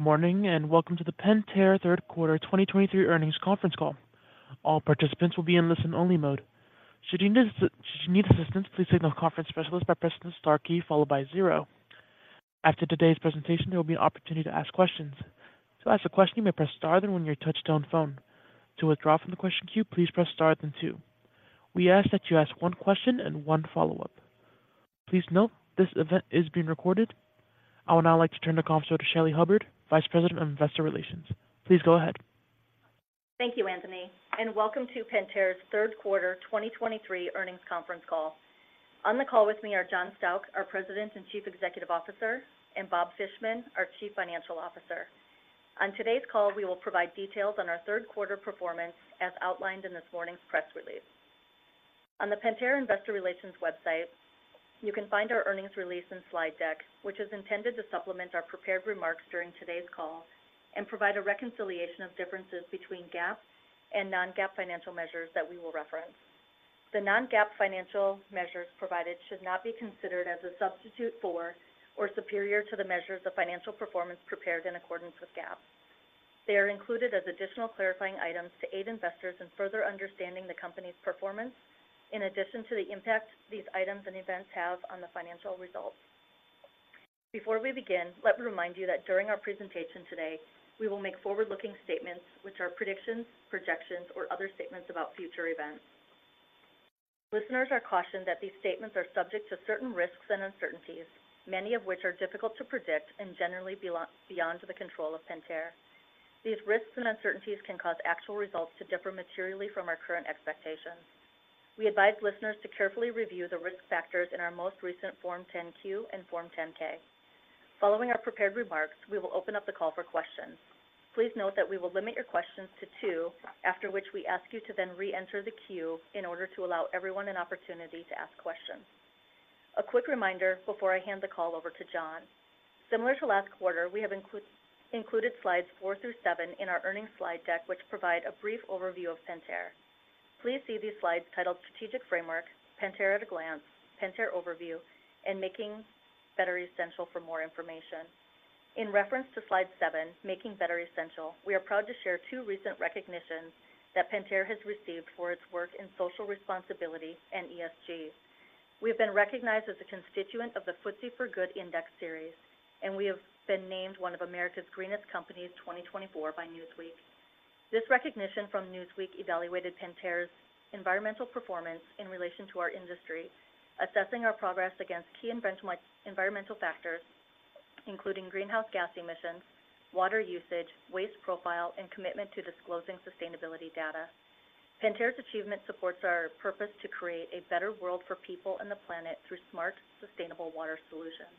Morning, and welcome to the Pentair Q3 2023 Earnings Conference Call. All participants will be in listen-only mode. Should you need assistance, please signal a conference specialist by pressing the star key followed by 0. After today's presentation, there will be an opportunity to ask questions. To ask a question, you may press star, then 1 on your touchtone phone. To withdraw from the question queue, please press star, then 2. We ask that you ask one question and one follow-up. Please note, this event is being recorded. I would now like to turn the call over to Shelly Hubbard, Vice President of Investor Relations. Please go ahead. Thank you, Anthony, and welcome to Pentair's Q3 2023 earnings conference call. On the call with me are John Stauch, our President and Chief Executive Officer, and Bob Fishman, our Chief Financial Officer. On today's call, we will provide details on our Q3 performance as outlined in this morning's press release. On the Pentair Investor Relations website, you can find our earnings release and slide deck, which is intended to supplement our prepared remarks during today's call and provide a reconciliation of differences between GAAP and non-GAAP financial measures that we will reference. The non-GAAP financial measures provided should not be considered as a substitute for or superior to the measures of financial performance prepared in accordance with GAAP. They are included as additional clarifying items to aid investors in further understanding the company's performance in addition to the impact these items and events have on the financial results. Before we begin, let me remind you that during our presentation today, we will make forward-looking statements which are predictions, projections, or other statements about future events. Listeners are cautioned that these statements are subject to certain risks and uncertainties, many of which are difficult to predict and generally beyond the control of Pentair. These risks and uncertainties can cause actual results to differ materially from our current expectations. We advise listeners to carefully review the risk factors in our most recent Form 10-Q and Form 10-K. Following our prepared remarks, we will open up the call for questions. Please note that we will limit your questions to two, after which we ask you to then reenter the queue in order to allow everyone an opportunity to ask questions. A quick reminder before I hand the call over to John. Similar to last quarter, we have included slides four through seven in our earnings slide deck, which provide a brief overview of Pentair. Please see these slides titled Strategic Framework, Pentair at a Glance, Pentair Overview, and Making Better Essential for more information. In reference to Slide seven, Making Better Essential, we are proud to share two recent recognitions that Pentair has received for its work in social responsibility and ESG. We have been recognized as a constituent of the FTSE4Good Index Series, and we have been named one of America's Greenest Companies 2024 by Newsweek. This recognition from Newsweek evaluated Pentair's environmental performance in relation to our industry, assessing our progress against key environmental factors, including greenhouse gas emissions, water usage, waste profile, and commitment to disclosing sustainability data. Pentair's achievement supports our purpose to create a better world for people and the planet through smart, sustainable water solutions.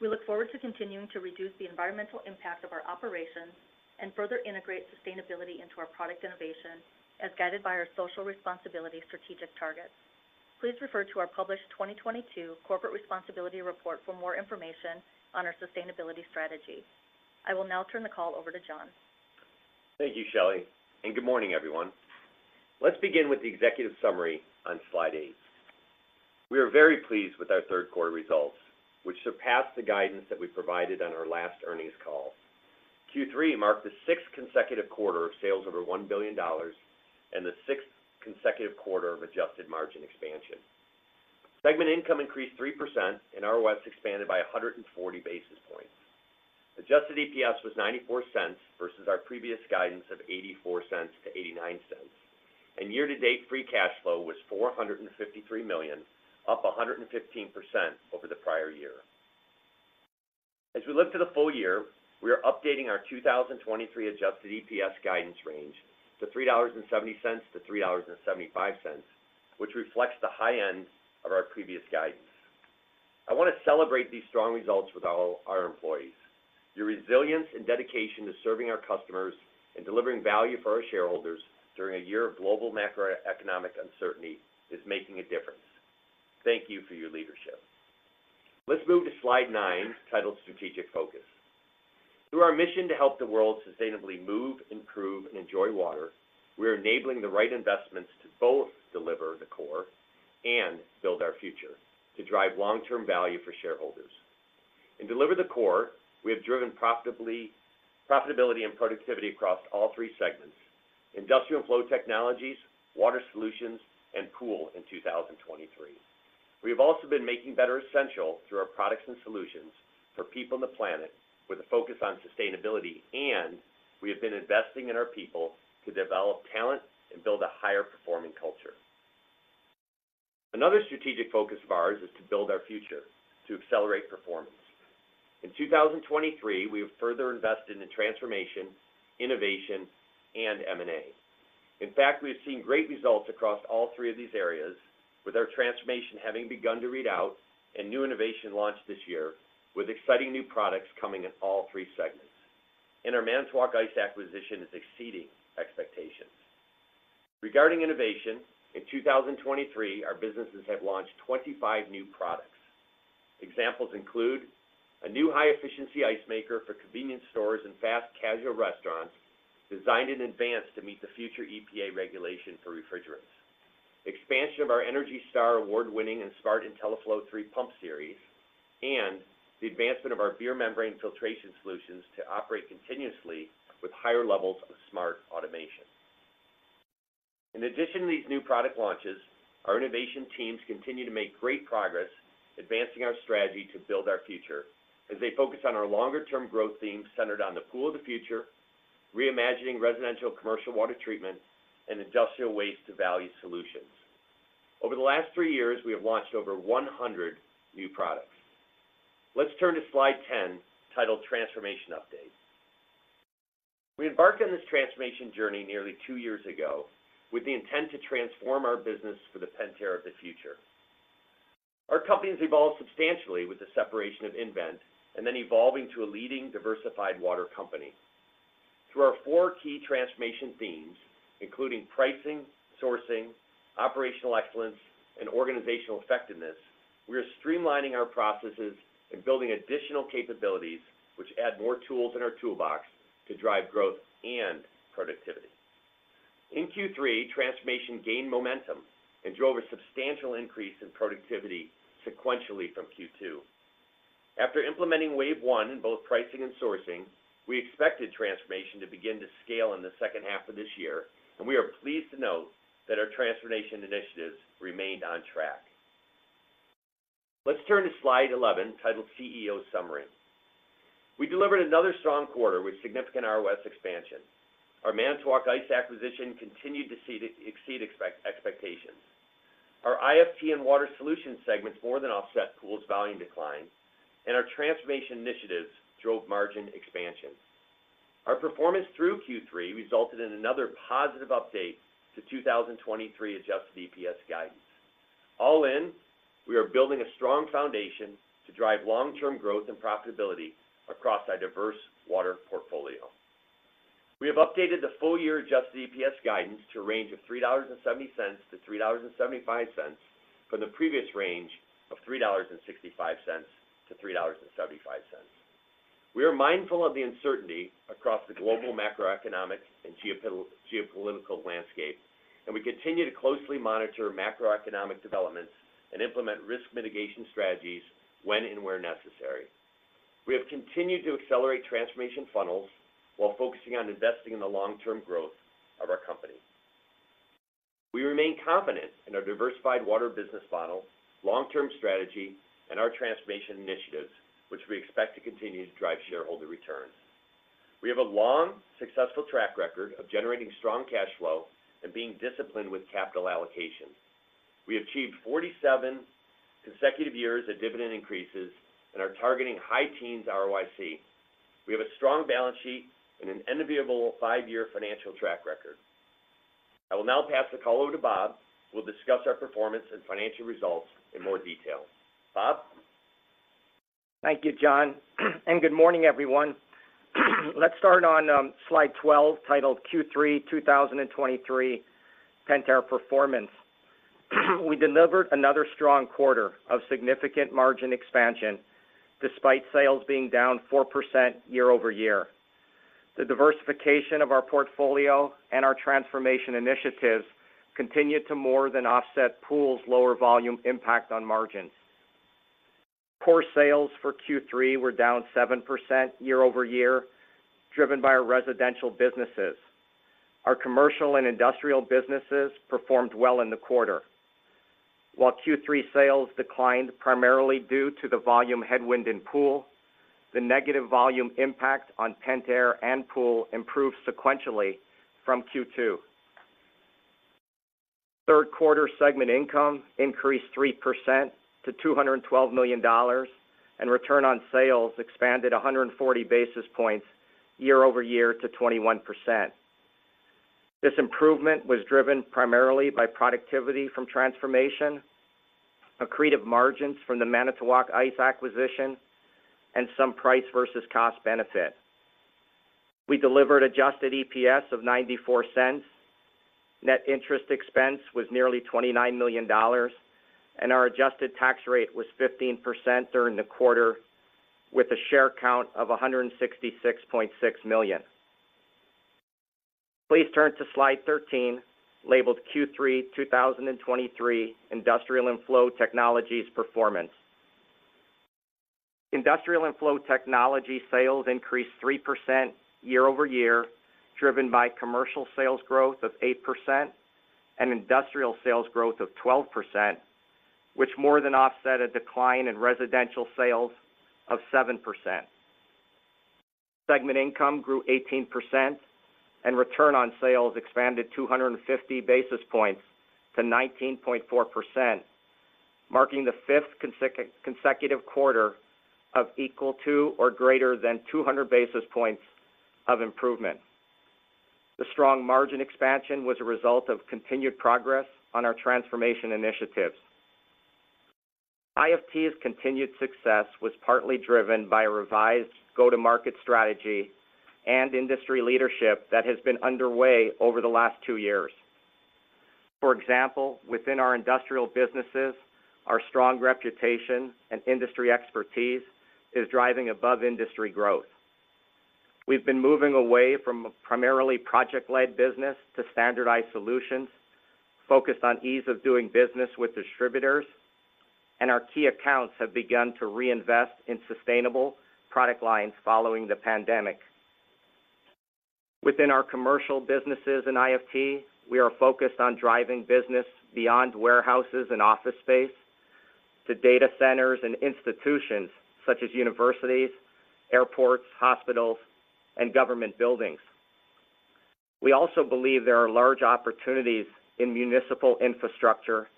We look forward to continuing to reduce the environmental impact of our operations and further integrate sustainability into our product innovation as guided by our social responsibility strategic targets. Please refer to our published 2022 Corporate Responsibility Report for more information on our sustainability strategy. I will now turn the call over to John. Thank you, Shelly, and good morning, everyone. Let's begin with the executive summary on Slide 8. We are very pleased with our Q3 results, which surpassed the guidance that we provided on our last earnings call. Q3 marked the sixth consecutive quarter of sales over $1 billion and the sixth consecutive quarter of adjusted margin expansion. Segment income increased 3%, and ROS expanded by 140 basis points. Adjusted EPS was $0.94 versus our previous guidance of $0.84-$0.89, and year-to-date free cash flow was $453 million, up 115% over the prior year. As we look to the full year, we are updating our 2023 adjusted EPS guidance range to $3.70-$3.75, which reflects the high end of our previous guidance. I want to celebrate these strong results with all our employees. Your resilience and dedication to serving our customers and delivering value for our shareholders during a year of global macroeconomic uncertainty is making a difference. Thank you for your leadership. Let's move to Slide nine, titled Strategic Focus. Through our mission to help the world sustainably move, improve, and enjoy water, we are enabling the right investments to both deliver the core and build our future to drive long-term value for shareholders. In Deliver the Core, we have driven profitability and productivity across all three segments: Industrial & Flow Technologies, Water Solutions, and Pool in 2023. We have also been making essentials better through our products and solutions for people and the planet with a focus on sustainability, and we have been investing in our people to develop talent and build a higher performing culture. Another strategic focus of ours is to build our future, to accelerate performance. In 2023, we have further invested in transformation, innovation, and M&A. In fact, we have seen great results across all three of these areas, with our transformation having begun to read out and new innovation launched this year, with exciting new products coming in all three segments. Our Manitowoc Ice acquisition is exceeding expectations. Regarding innovation, in 2023, our businesses have launched 25 new products. Examples include a new high-efficiency ice maker for convenience stores and fast casual restaurants, designed in advance to meet the future EPA regulation for refrigerants, expansion of our ENERGY STAR award-winning and smart IntelliFlo3 pump series, and the advancement of our beer membrane filtration solutions to operate continuously with higher levels of smart automation. In addition to these new product launches, our innovation teams continue to make great progress advancing our strategy to build our future, as they focus on our longer-term growth themes centered on the pool of the future, reimagining residential commercial water treatment, and industrial waste-to-value solutions. Over the last 3 years, we have launched over 100 new products. Let's turn to Slide 10, titled Transformation Update. We embarked on this transformation journey nearly 2 years ago, with the intent to transform our business for the Pentair of the future. Our company has evolved substantially with the separation of nVent, and then evolving to a leading diversified water company. Through our 4 key transformation themes, including pricing, sourcing, operational excellence, and organizational effectiveness, we are streamlining our processes and building additional capabilities, which add more tools in our toolbox to drive growth and productivity. In Q3, transformation gained momentum and drove a substantial increase in productivity sequentially from Q2. After implementing Wave One in both pricing and sourcing, we expected transformation to begin to scale in the second half of this year, and we are pleased to note that our transformation initiatives remained on track. Let's turn to Slide 11, titled CEO Summary. We delivered another strong quarter with significant ROS expansion. Our Manitowoc Ice acquisition continued to exceed expectations. Our IFT and Water Solutions segments more than offset pools volume decline, and our transformation initiatives drove margin expansion. Our performance through Q3 resulted in another positive update to 2023 Adjusted EPS guidance. All in, we are building a strong foundation to drive long-term growth and profitability across our diverse water portfolio. We have updated the full-year Adjusted EPS guidance to a range of $3.70-$3.75, from the previous range of $3.65-$3.75. We are mindful of the uncertainty across the global macroeconomic and geopolitical landscape, and we continue to closely monitor macroeconomic developments and implement risk mitigation strategies when and where necessary. We have continued to accelerate transformation funnels while focusing on investing in the long-term growth of our company. We remain confident in our diversified water business model, long-term strategy, and our transformation initiatives, which we expect to continue to drive shareholder returns. We have a long, successful track record of generating strong cash flow and being disciplined with capital allocation. We achieved 47 consecutive years of dividend increases and are targeting high teens ROIC. We have a strong balance sheet and an enviable five-year financial track record. I will now pass the call over to Bob, who will discuss our performance and financial results in more detail. Bob? Thank you, John, and good morning, everyone. Let's start on Slide 12, titled Q3 2023 Pentair Performance. We delivered another strong quarter of significant margin expansion, despite sales being down 4% year-over-year. The diversification of our portfolio and our transformation initiatives continued to more than offset pool's lower volume impact on margins. Core sales for Q3 were down 7% year-over-year, driven by our residential businesses. Our commercial and industrial businesses performed well in the quarter. While Q3 sales declined primarily due to the volume headwind in pool, the negative volume impact on Pentair and pool improved sequentially from Q2. Q3 segment income increased 3% - $212 million, and return on sales expanded 140 basis points year-over-year to 21%. This improvement was driven primarily by productivity from transformation, accretive margins from the Manitowoc Ice acquisition, and some price versus cost benefit. We delivered adjusted EPS of $0.94. Net interest expense was nearly $29 million, and our adjusted tax rate was 15% during the quarter, with a share count of 166.6 million. Please turn to Slide 13, labeled Q3 2023 Industrial and Flow Technologies Performance. Industrial and Flow Technology sales increased 3% year-over-year, driven by commercial sales growth of 8% and industrial sales growth of 12%, which more than offset a decline in residential sales of 7%. Segment income grew 18%, and return on sales expanded 250 basis points to 19.4%, marking the fifth consecutive quarter of equal to or greater than 200 basis points of improvement. The strong margin expansion was a result of continued progress on our transformation initiatives. IFT's continued success was partly driven by a revised go-to-market strategy and industry leadership that has been underway over the last two years. For example, within our industrial businesses, our strong reputation and industry expertise is driving above-industry growth.... We've been moving away from a primarily project-led business to standardized solutions, focused on ease of doing business with distributors, and our key accounts have begun to reinvest in sustainable product lines following the pandemic. Within our commercial businesses in IFT, we are focused on driving business beyond warehouses and office space to data centers and institutions such as universities, airports, hospitals, and government buildings. We also believe there are large opportunities in municipal infrastructure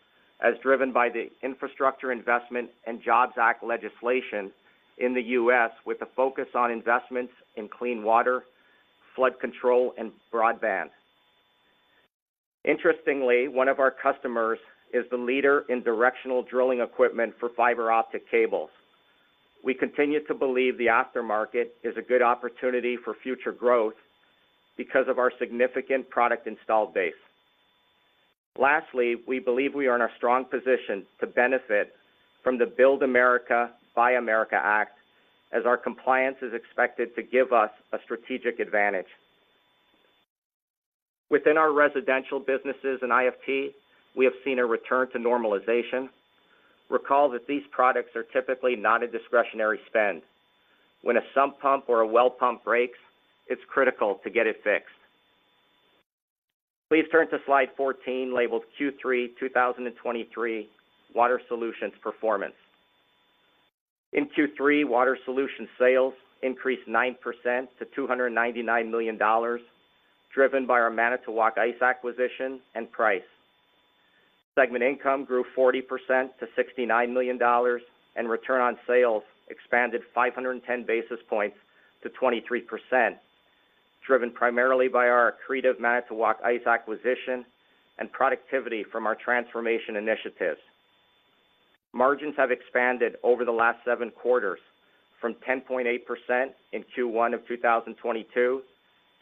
as driven by the Infrastructure Investment and Jobs Act legislation in the U.S., with a focus on investments in clean water, flood control, and broadband. Interestingly, one of our customers is the leader in directional drilling equipment for fiber optic cables. We continue to believe the aftermarket is a good opportunity for future growth because of our significant product installed base. Lastly, we believe we are in a strong position to benefit from the Build America, Buy America Act, as our compliance is expected to give us a strategic advantage. Within our residential businesses in IFT, we have seen a return to normalization. Recall that these products are typically not a discretionary spend. When a sump pump or a well pump breaks, it's critical to get it fixed. Please turn to slide 14, labeled Q3 2023 Water Solutions Performance. In Q3, Water Solutions sales increased 9%-$299 million, driven by our Manitowoc Ice acquisition and price. Segment income grew 40%-$69 million, and return on sales expanded 510 basis points to 23%, driven primarily by our accretive Manitowoc Ice acquisition and productivity from our transformation initiatives. Margins have expanded over the last seven quarters from 10.8% in Q1 of 2022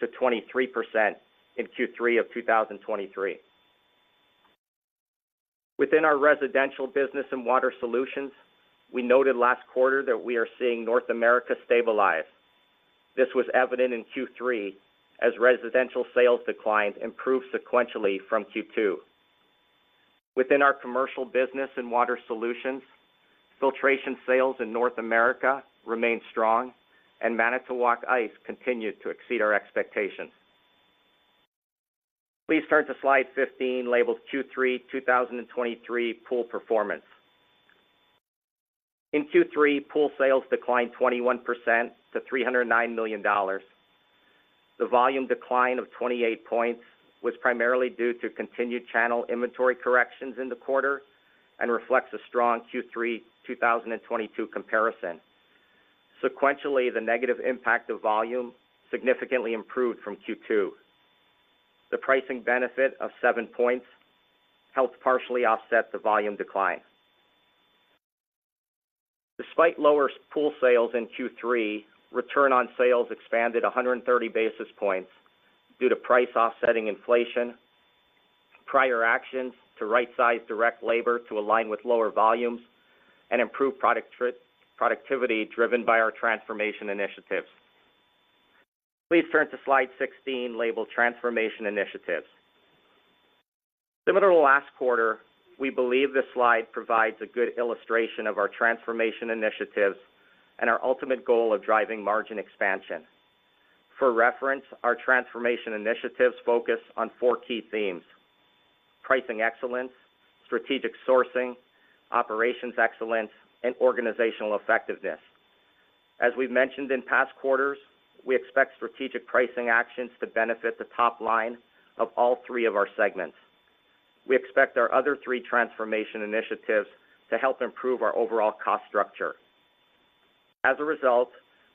to 23% in Q3 of 2023. Within our residential business and water solutions, we noted last quarter that we are seeing North America stabilize. This was evident in Q3 as residential sales declines improved sequentially from Q2. Within our commercial business and water solutions, filtration sales in North America remained strong, and Manitowoc Ice continued to exceed our expectations. Please turn to slide 15, labeled Q3 2023 Pool Performance. In Q3, pool sales declined 21%-$309 million. The volume decline of 28 points was primarily due to continued channel inventory corrections in the quarter and reflects a strong Q3 2022 comparison. Sequentially, the negative impact of volume significantly improved from Q2. The pricing benefit of 7 points helped partially offset the volume decline. Despite lower pool sales in Q3, return on sales expanded 130 basis points due to price offsetting inflation, prior actions to right-size direct labor to align with lower volumes, and improved productivity driven by our transformation initiatives. Please turn to slide 16, labeled Transformation Initiatives. Similar to last quarter, we believe this slide provides a good illustration of our transformation initiatives and our ultimate goal of driving margin expansion. For reference, our transformation initiatives focus on four key themes: pricing excellence, strategic sourcing, operations excellence, and organizational effectiveness. As we've mentioned in past quarters, we expect strategic pricing actions to benefit the top line of all three of our segments. We expect our other three transformation initiatives to help improve our overall cost structure. As a result,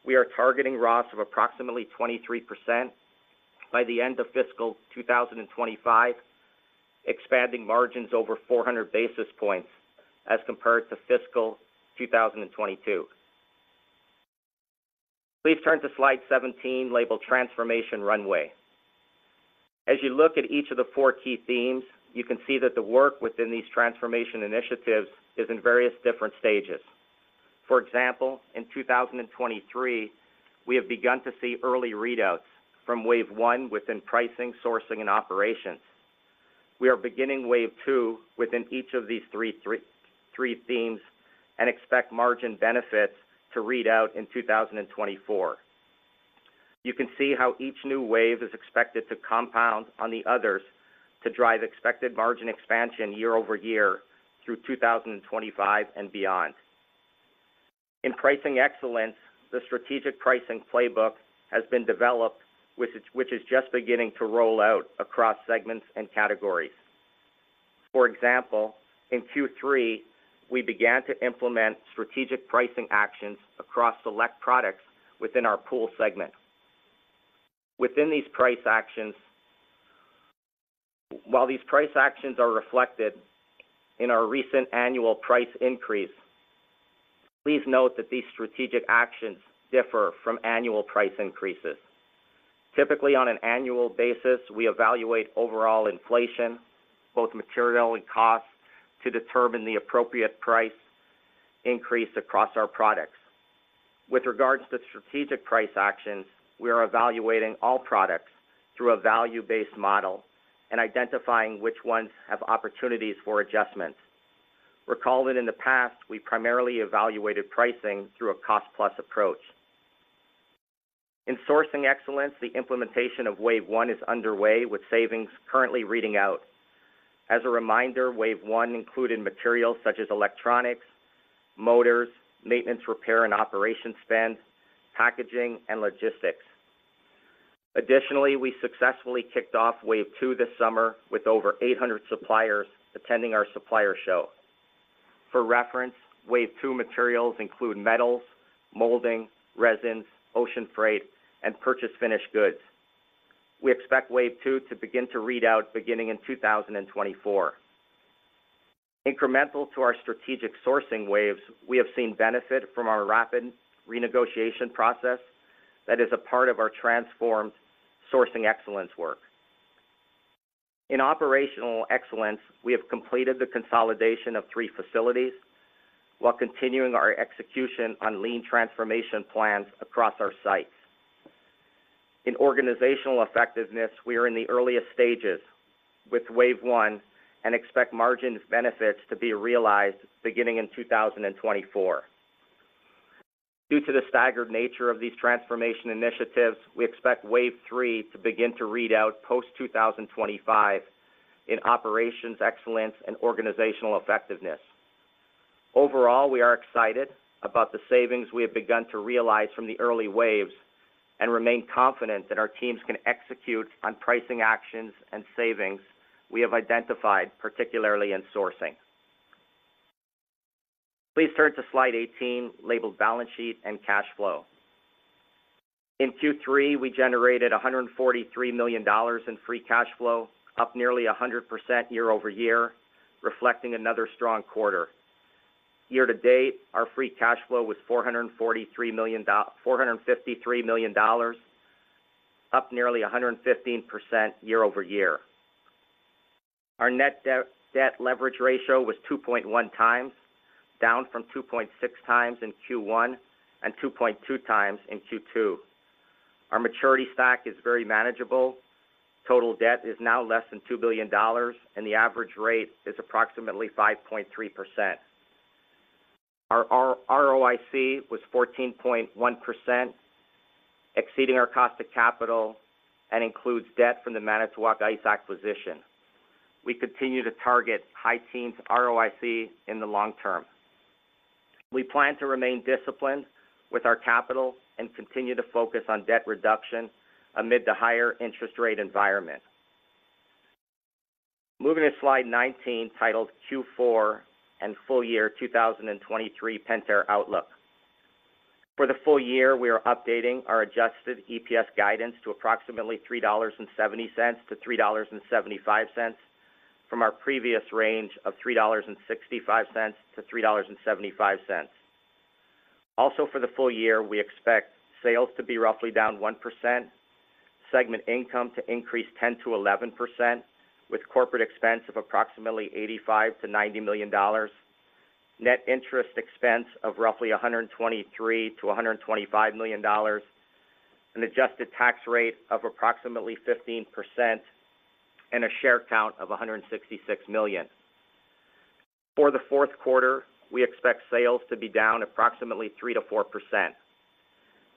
we are targeting ROS of approximately 23% by the end of fiscal 2025, expanding margins over 400 basis points as compared to fiscal 2022. Please turn to slide 17, labeled Transformation Runway. As you look at each of the four key themes, you can see that the work within these transformation initiatives is in various different stages. For example, in 2023, we have begun to see early readouts from wave 1 within pricing, sourcing, and operations. We are beginning wave two within each of these three, three, three themes and expect margin benefits to read out in 2024. You can see how each new wave is expected to compound on the others to drive expected margin expansion year-over-year through 2025 and beyond. In pricing excellence, the strategic pricing playbook has been developed, which is just beginning to roll out across segments and categories. For example, in Q3, we began to implement strategic pricing actions across select products within our pool segment. Within these price actions, while these price actions are reflected in our recent annual price increase, please note that these strategic actions differ from annual price increases. Typically, on an annual basis, we evaluate overall inflation, both material and costs, to determine the appropriate price increase across our products. With regards to strategic price actions, we are evaluating all products through a value-based model and identifying which ones have opportunities for adjustments. Recall that in the past, we primarily evaluated pricing through a cost-plus approach. In sourcing excellence, the implementation of Wave One is underway, with savings currently reading out. As a reminder, Wave One included materials such as electronics, motors, maintenance, repair, and operation spend, packaging, and logistics. Additionally, we successfully kicked off Wave Two this summer, with over 800 suppliers attending our supplier show. For reference, Wave Two materials include metals, molding, resins, ocean freight, and purchase finished goods. We expect Wave Two to begin to read out beginning in 2024. Incremental to our strategic sourcing waves, we have seen benefit from our rapid renegotiation process that is a part of our transformed sourcing excellence work. In operational excellence, we have completed the consolidation of three facilities while continuing our execution on lean transformation plans across our sites. In organizational effectiveness, we are in the earliest stages with Wave One and expect margin benefits to be realized beginning in 2024. Due to the staggered nature of these transformation initiatives, we expect Wave Three to begin to read out post 2025 in operational excellence and organizational effectiveness. Overall, we are excited about the savings we have begun to realize from the early waves and remain confident that our teams can execute on pricing actions and savings we have identified, particularly in sourcing. Please turn to slide 18, labeled Balance Sheet and Cash Flow. In Q3, we generated $143 million in free cash flow, up nearly 100% year-over-year, reflecting another strong quarter. Year to date, our free cash flow was $453 million, up nearly 115% year-over-year. Our net debt leverage ratio was 2.1 times, down from 2.6 times in Q1 and 2.2 times in Q2. Our maturity stack is very manageable. Total debt is now less than $2 billion, and the average rate is approximately 5.3%. Our ROIC was 14.1%, exceeding our cost of capital and includes debt from the Manitowoc Ice acquisition. We continue to target high teens ROIC in the long term. We plan to remain disciplined with our capital and continue to focus on debt reduction amid the higher interest rate environment. Moving to slide 19, titled Q4 and full year 2023 Pentair Outlook. For the full year, we are updating our Adjusted EPS guidance to approximately $3.70-$3.75, from our previous range of $3.65-$3.75. Also, for the full year, we expect sales to be roughly down 1%, segment income to increase 10%-11%, with corporate expense of approximately $85 million-$90 million, net interest expense of roughly $123 million-$125 million, an adjusted tax rate of approximately 15%, and a share count of 166 million. For the Q4, we expect sales to be down approximately 3%-4%.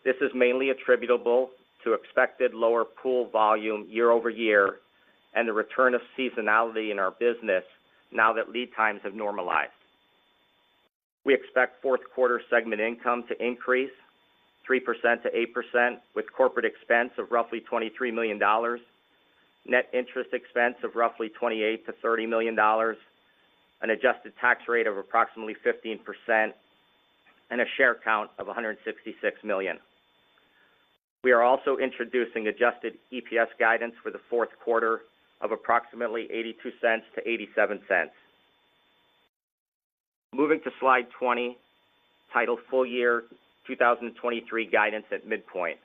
This is mainly attributable to expected lower pool volume year-over-year and the return of seasonality in our business now that lead times have normalized. We expect Q4 segment income to increase 3%-8%, with corporate expense of roughly $23 million, net interest expense of roughly $28 million-$30 million, an adjusted tax rate of approximately 15%, and a share count of 166 million. We are also introducing adjusted EPS guidance for the Q4 of approximately $0.82-$0.87. Moving to Slide 20, titled Full Year 2023 Guidance at Midpoint.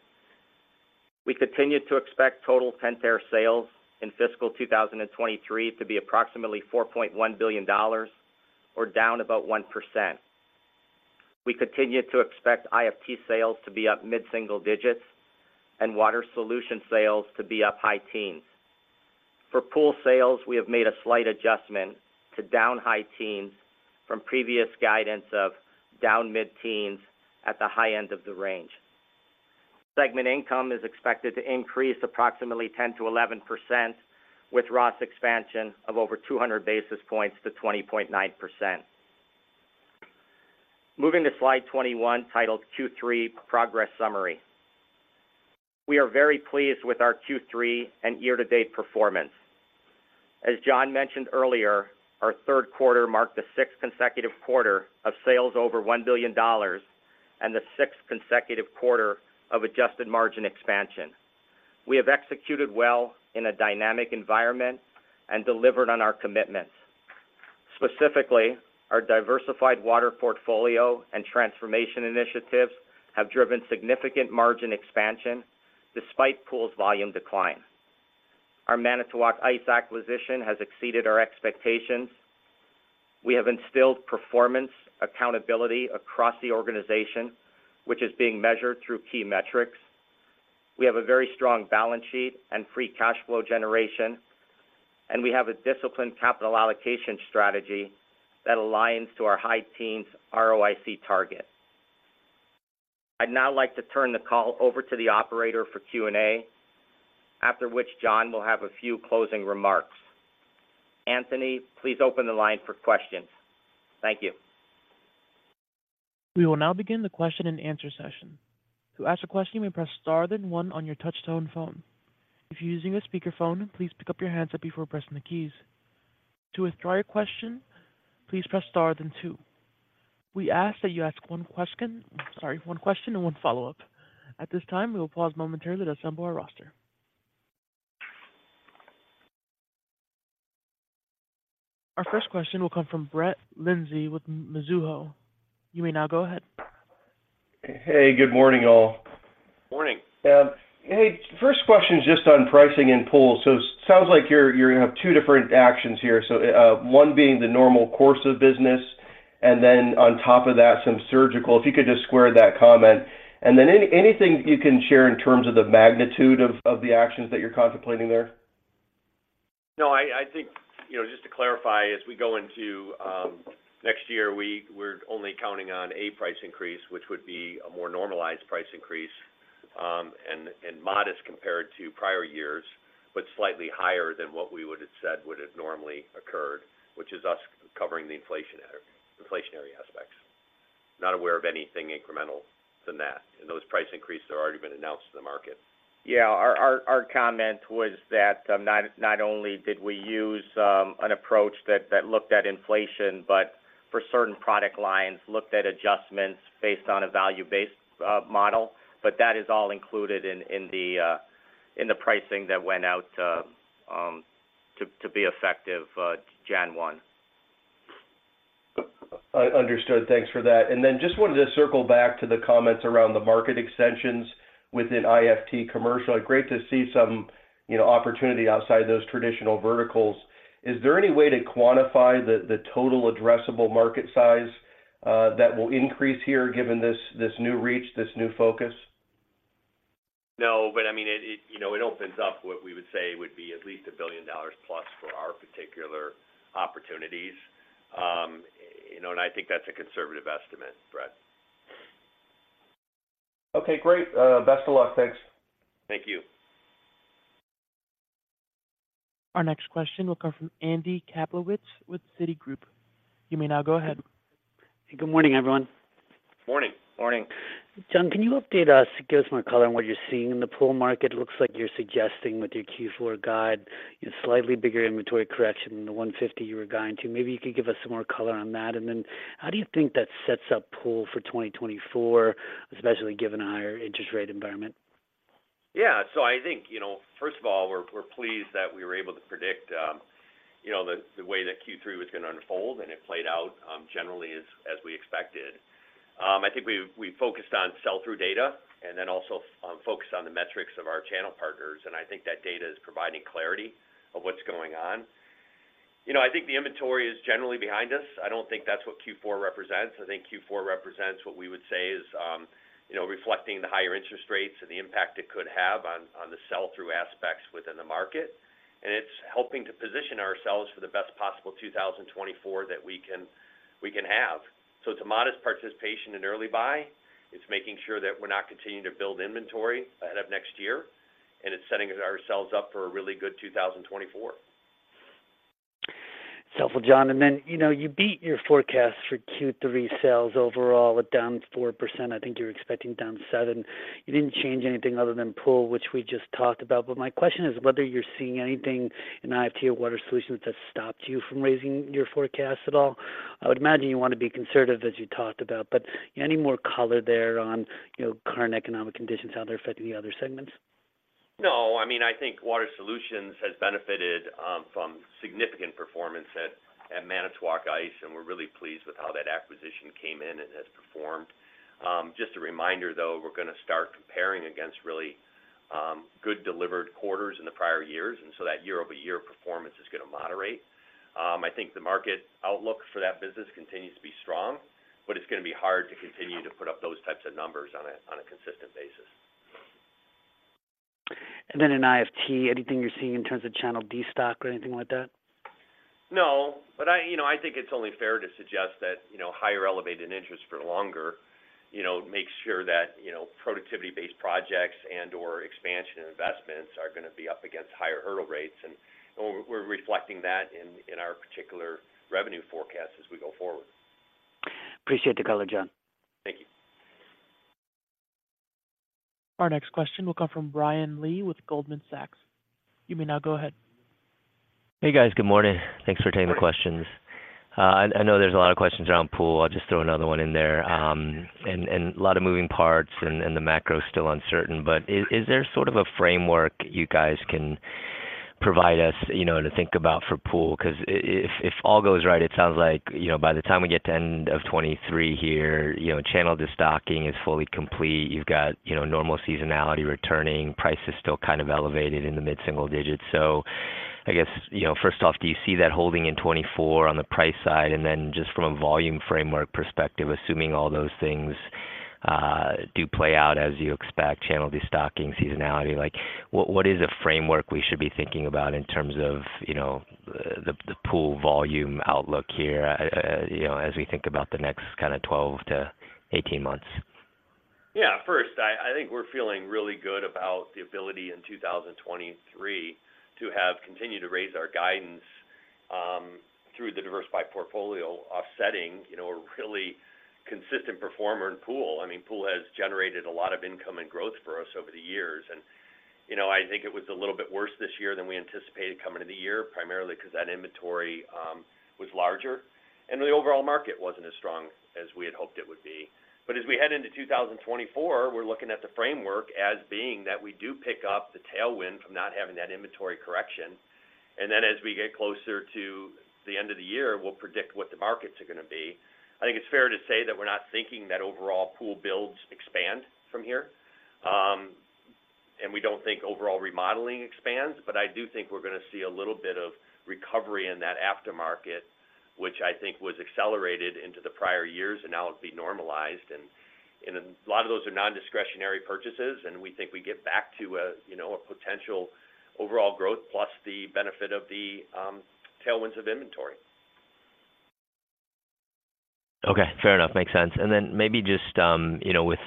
We continue to expect total Pentair sales in fiscal 2023 to be approximately $4.1 billion, or down about 1%. We continue to expect IFT sales to be up mid-single digits and Water Solution sales to be up high teens. For pool sales, we have made a slight adjustment to down high teens from previous guidance of down mid-teens at the high end of the range. Segment income is expected to increase approximately 10%-11%, with ROS expansion of over 200 basis points to 20.9%. Moving to slide 21, titled Q3 Progress Summary. We are very pleased with our Q3 and year-to-date performance. As John mentioned earlier, our Q3 marked the sixth consecutive quarter of sales over $1 billion and the sixth consecutive quarter of adjusted margin expansion. We have executed well in a dynamic environment and delivered on our commitments.... Specifically, our diversified water portfolio and transformation initiatives have driven significant margin expansion despite pools volume decline. Our Manitowoc Ice acquisition has exceeded our expectations. We have instilled performance accountability across the organization, which is being measured through key metrics. We have a very strong balance sheet and free cash flow generation, and we have a disciplined capital allocation strategy that aligns to our high teens ROIC target. I'd now like to turn the call over to the operator for Q&A, after which John will have a few closing remarks. Anthony, please open the line for questions. Thank you. We will now begin the question and answer session. To ask a question, you may press star, then one on your touchtone phone. If you're using a speakerphone, please pick up your handset before pressing the keys. To withdraw your question, please press star, then two. We ask that you ask one question. Sorry, one question and one follow-up. At this time, we will pause momentarily to assemble our roster. Our first question will come from Brett Linzey with Mizuho. You may now go ahead. Hey, good morning, all. Morning. Hey, first question is just on pricing and pool. So sounds like you're gonna have two different actions here. So, one being the normal course of business, and then on top of that, some surgical. If you could just square that comment, and then anything you can share in terms of the magnitude of the actions that you're contemplating there? No, I think, you know, just to clarify, as we go into next year, we're only counting on a price increase, which would be a more normalized price increase, and modest compared to prior years, but slightly higher than what we would have said would have normally occurred, which is us covering the inflationary aspects. Not aware of anything incremental than that, and those price increases are already been announced to the market. Yeah, our comment was that, not only did we use an approach that looked at inflation, but for certain product lines, looked at adjustments based on a value-based model. But that is all included in the pricing that went out to be effective January 1. Understood. Thanks for that. Then just wanted to circle back to the comments around the market extensions within IFT commercial. Great to see some, you know, opportunity outside those traditional verticals. Is there any way to quantify the total addressable market size that will increase here, given this new reach, this new focus? No, but I mean, you know, it opens up what we would say would be at least $1 billion plus for our particular opportunities. You know, and I think that's a conservative estimate, Brett. Okay, great. Best of luck. Thanks. Thank you. Our next question will come from Andy Kaplowitz with Citigroup. You may now go ahead. Good morning, everyone. Morning. Morning. John, can you update us, give us more color on what you're seeing in the pool market? It looks like you're suggesting with your Q4 guide, a slightly bigger inventory correction than the $150 you were guiding to. Maybe you could give us some more color on that. And then how do you think that sets up pool for 2024, especially given a higher interest rate environment? Yeah. So I think, you know, first of all, we're, we're pleased that we were able to predict the way that Q3 was going to unfold, and it played out generally as we expected. I think we, we focused on sell-through data and then also focused on the metrics of our channel partners, and I think that data is providing clarity of what's going on. You know, I think the inventory is generally behind us. I don't think that's what Q4 represents. I think Q4 represents what we would say is reflecting the higher interest rates and the impact it could have on the sell-through aspects within the market. And it's helping to position ourselves for the best possible 2024 that we can, we can have. So it's a modest participation in early buy. It's making sure that we're not continuing to build inventory ahead of next year, and it's setting ourselves up for a really good 2024. It's helpful, John. Then, you know, you beat your forecast for Q3 sales overall with down 4%. I think you were expecting down 7%. You didn't change anything other than pool, which we just talked about. But my question is whether you're seeing anything in IFT or Water Solutions that stopped you from raising your forecast at all. I would imagine you want to be conservative, as you talked about, but any more color there on, you know, current economic conditions, how they're affecting the other segments? No, I mean, I think Water Solutions has benefited from significant performance at Manitowoc Ice, and we're really pleased with how that acquisition came in and has performed. Just a reminder, though, we're going to start comparing against really good delivered quarters in the prior years, and so that year-over-year performance is going to moderate. I think the market outlook for that business continues to be strong, but it's going to be hard to continue to put up those types of numbers on a consistent basis. Then in IFT, anything you're seeing in terms of channel destock or anything like that? No, but I, you know, I think it's only fair to suggest that, you know, higher elevated interest for longer, you know, makes sure that, you know, productivity-based projects and/or expansion investments are going to be up against higher hurdle rates, and we're reflecting that in our particular revenue forecast as we go forward. Appreciate the color, John. Thank you. Our next question will come from Brian Lee with Goldman Sachs. You may now go ahead. Hey, guys. Good morning. Thanks for taking the questions. I know there's a lot of questions around pool. I'll just throw another one in there, and a lot of moving parts, and the macro is still uncertain. But is there sort of a framework you guys can provide us, you know, to think about for pool, 'cause if all goes right, it sounds like, you know, by the time we get to end of 2023 here, you know, channel destocking is fully complete. You've got, you know, normal seasonality returning, price is still kind of elevated in the mid-single digits. So I guess, you know, first off, do you see that holding in 2024 on the price side? And then just from a volume framework perspective, assuming all those things, do play out as you expect, channel destocking, seasonality, like, what, what is the framework we should be thinking about in terms of, you know, the pool volume outlook here, you know, as we think about the next kinder 12-18 months? Yeah. First, I think we're feeling really good about the ability in 2023 to have continued to raise our guidance, through the diversified portfolio, offsetting, you know, a really consistent performer in pool. I mean, pool has generated a lot of income and growth for us over the years. And, you know, I think it was a little bit worse this year than we anticipated coming to the year, primarily because that inventory was larger, and the overall market wasn't as strong as we had hoped it would be. But as we head into 2024, we're looking at the framework as being that we do pick up the tailwind from not having that inventory correction. And then as we get closer to the end of the year, we'll predict what the markets are gonna be. I think it's fair to say that we're not thinking that overall pool builds expand from here, and we don't think overall remodeling expands, but I do think we're gonna see a little bit of recovery in that aftermarket, which I think was accelerated into the prior years, and now it'll be normalized. And, and a lot of those are nondiscretionary purchases, and we think we get back to a, you know, a potential overall growth, plus the benefit of the tailwinds of inventory. Okay, fair enough. Makes sense. And then maybe just, you know, with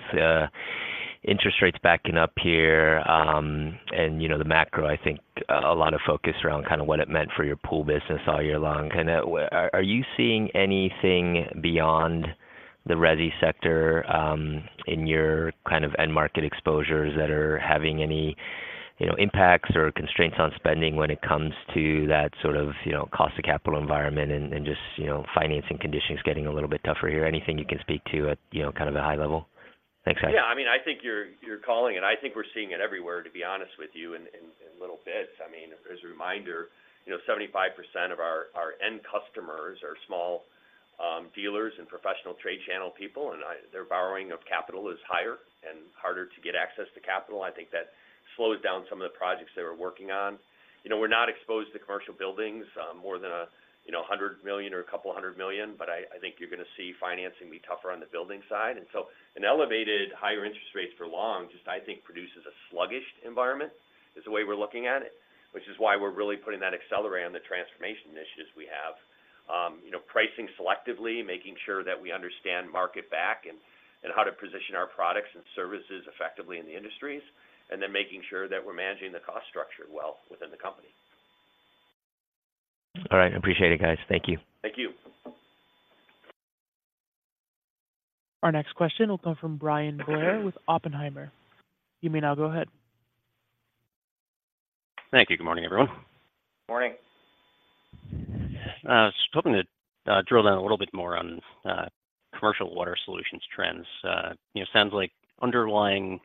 interest rates backing up here, and, you know, the macro, I think a lot of focus around kinda what it meant for your pool business all year long. Are you seeing anything beyond the resi sector, in your kind of end market exposures that are having any, you know, impacts or constraints on spending when it comes to that sort of, you know, cost of capital environment and just, you know, financing conditions getting a little bit tougher here? Anything you can speak to at, you know, kind of a high level? Thanks, guys. Yeah, I mean, I think you're calling it, and I think we're seeing it everywhere, to be honest with you, in little bits. I mean, as a reminder, you know, 75% of our end customers are small dealers and professional trade channel people, and their borrowing of capital is higher and harder to get access to capital. I think that slows down some of the projects they were working on. You know, we're not exposed to commercial buildings more than $100 million or $200 million, but I think you're gonna see financing be tougher on the building side. And so an elevated higher interest rate for long, just I think produces a sluggish environment, is the way we're looking at it, which is why we're really putting that accelerator on the transformation initiatives we have. You know, pricing selectively, making sure that we understand market back and, and how to position our products and services effectively in the industries, and then making sure that we're managing the cost structure well within the company. All right. I appreciate it, guys. Thank you. Thank you. Our next question will come from Bryan Blair with Oppenheimer. You may now go ahead. Thank you. Good morning, everyone. Morning. Just hoping to drill down a little bit more on commercial water solutions trends. You know, sounds like underlying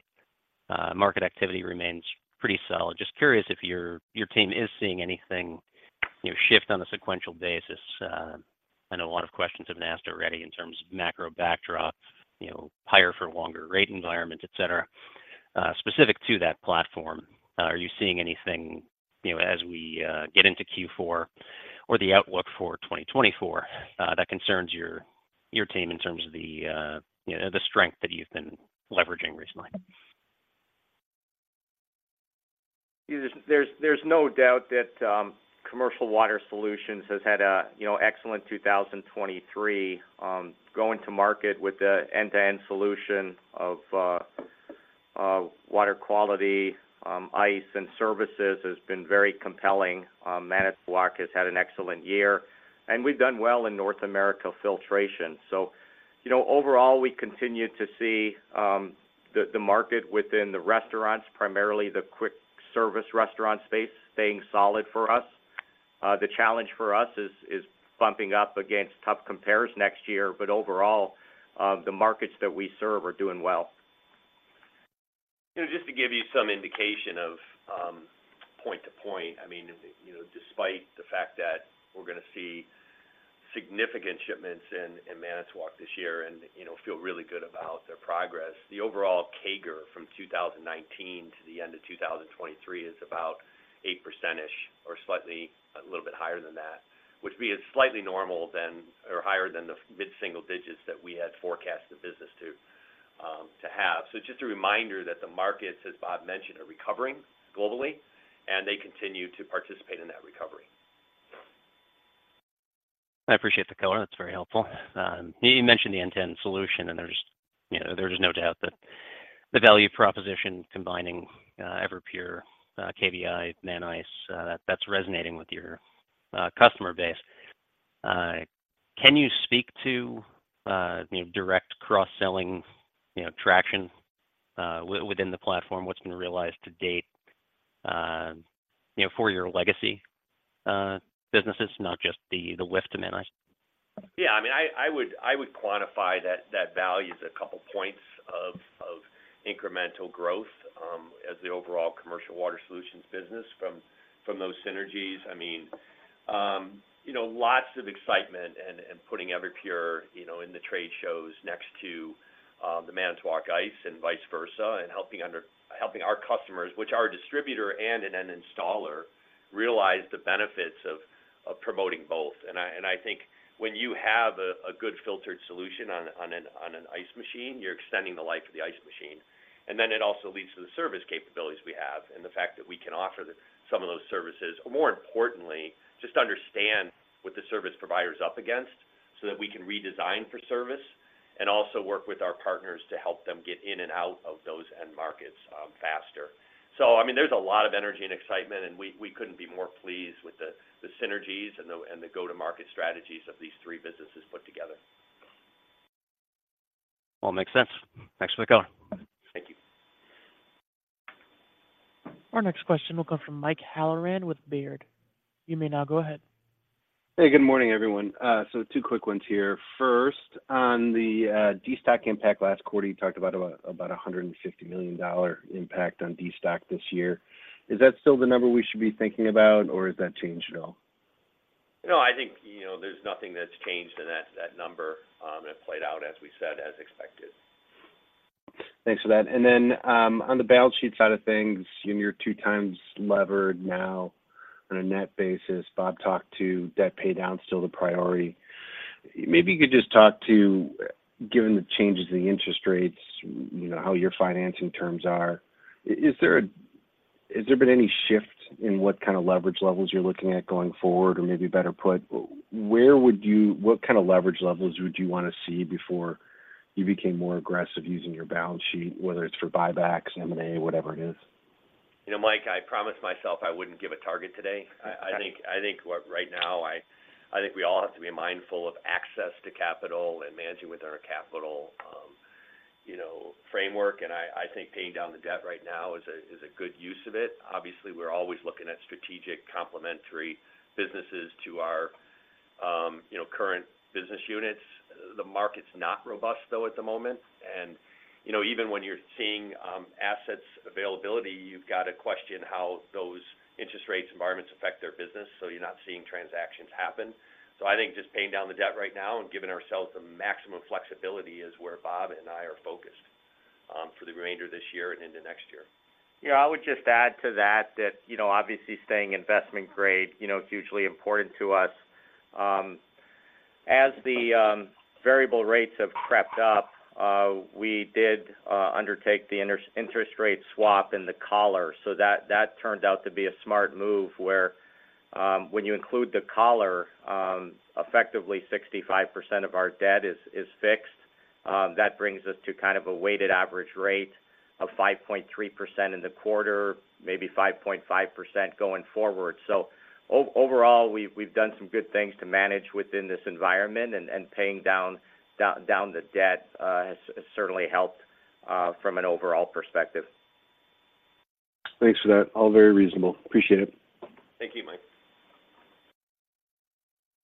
market activity remains pretty solid. Just curious if your team is seeing anything, you know, shift on a sequential basis. I know a lot of questions have been asked already in terms of macro backdrop, you know, higher for longer rate environment, et cetera. Specific to that platform, are you seeing anything, you know, as we get into Q4 or the outlook for 2024, that concerns your team in terms of the, you know, the strength that you've been leveraging recently? There's no doubt that commercial water solutions has had a, you know, excellent 2023. Going to market with the end-to-end solution of water quality, ice and services has been very compelling. Manitowoc has had an excellent year, and we've done well in North America filtration. So, you know, overall, we continue to see the market within the restaurants, primarily the quick service restaurant space, staying solid for us. The challenge for us is bumping up against tough compares next year, but overall, the markets that we serve are doing well. You know, just to give you some indication of point to point, I mean, you know, despite the fact that we're gonna see significant shipments in Manitowoc this year and, you know, feel really good about their progress, the overall CAGR from 2019 to the end of 2023 is about 8% or slightly a little bit higher than that, which is slightly more than or higher than the mid-single digits that we had forecast the business to have. So just a reminder that the markets, as Bob mentioned, are recovering globally, and they continue to participate in that recovery. I appreciate the color. That's very helpful. You mentioned the end-to-end solution, and there's, you know, there's no doubt that the value proposition combining, Everpure, KBI, Man Ice, that's resonating with your, customer base. Can you speak to, you know, direct cross-selling, you know, traction, within the platform? What's been realized to date, you know, for your legacy, businesses, not just the, the lift to Man Ice?... Yeah, I mean, I would quantify that value as a couple points of incremental growth as the overall commercial Water Solutions business from those synergies. I mean, you know, lots of excitement and putting Everpure, you know, in the trade shows next to the Manitowoc Ice and vice versa, and helping our customers, which are a distributor and an end installer, realize the benefits of promoting both. And I think when you have a good filtered solution on an ice machine, you're extending the life of the ice machine. And then it also leads to the service capabilities we have, and the fact that we can offer some of those services, or more importantly, just understand what the service provider is up against so that we can redesign for service, and also work with our partners to help them get in and out of those end markets faster. So I mean, there's a lot of energy and excitement, and we couldn't be more pleased with the synergies and the go-to-market strategies of these three businesses put together. Well, makes sense. Thanks for the call. Thank you. Our next question will come from Michael Halloran with Baird. You may now go ahead. Hey, good morning, everyone. So two quick ones here. First, on the destock impact, last quarter, you talked about $150 million impact on destock this year. Is that still the number we should be thinking about, or has that changed at all? No, I think, you know, there's nothing that's changed in that, that number, it played out, as we said, as expected. Thanks for that. Then, on the balance sheet side of things, you're 2x levered now on a net basis. Bob talked to debt paydown, still the priority. Maybe you could just talk to, given the changes in the interest rates, you know, how your financing terms are. Has there been any shift in what kind of leverage levels you're looking at going forward, or maybe better put, what kind of leverage levels would you want to see before you became more aggressive using your balance sheet, whether it's for buybacks, M&A, whatever it is? You know, Mike, I promised myself I wouldn't give a target today. I think, right now, I think we all have to be mindful of access to capital and managing with our capital, you know, framework. And I think paying down the debt right now is a good use of it. Obviously, we're always looking at strategic complementary businesses to our, you know, current business units. The market's not robust, though, at the moment. And, you know, even when you're seeing, assets availability, you've got to question how those interest rates environments affect their business, so you're not seeing transactions happen. So I think just paying down the debt right now and giving ourselves the maximum flexibility is where Bob and I are focused, for the remainder of this year and into next year. Yeah, I would just add to that, that, you know, obviously, staying investment grade, you know, is hugely important to us. As the variable rates have crept up, we did undertake the interest rate swap in the collar, so that turned out to be a smart move, where when you include the collar, effectively 65% of our debt is fixed. That brings us to kind of a weighted average rate of 5.3% in the quarter, maybe 5.5% going forward. So overall, we've done some good things to manage within this environment, and paying down the debt has certainly helped from an overall perspective. Thanks for that. All very reasonable. Appreciate it. Thank you, Michael.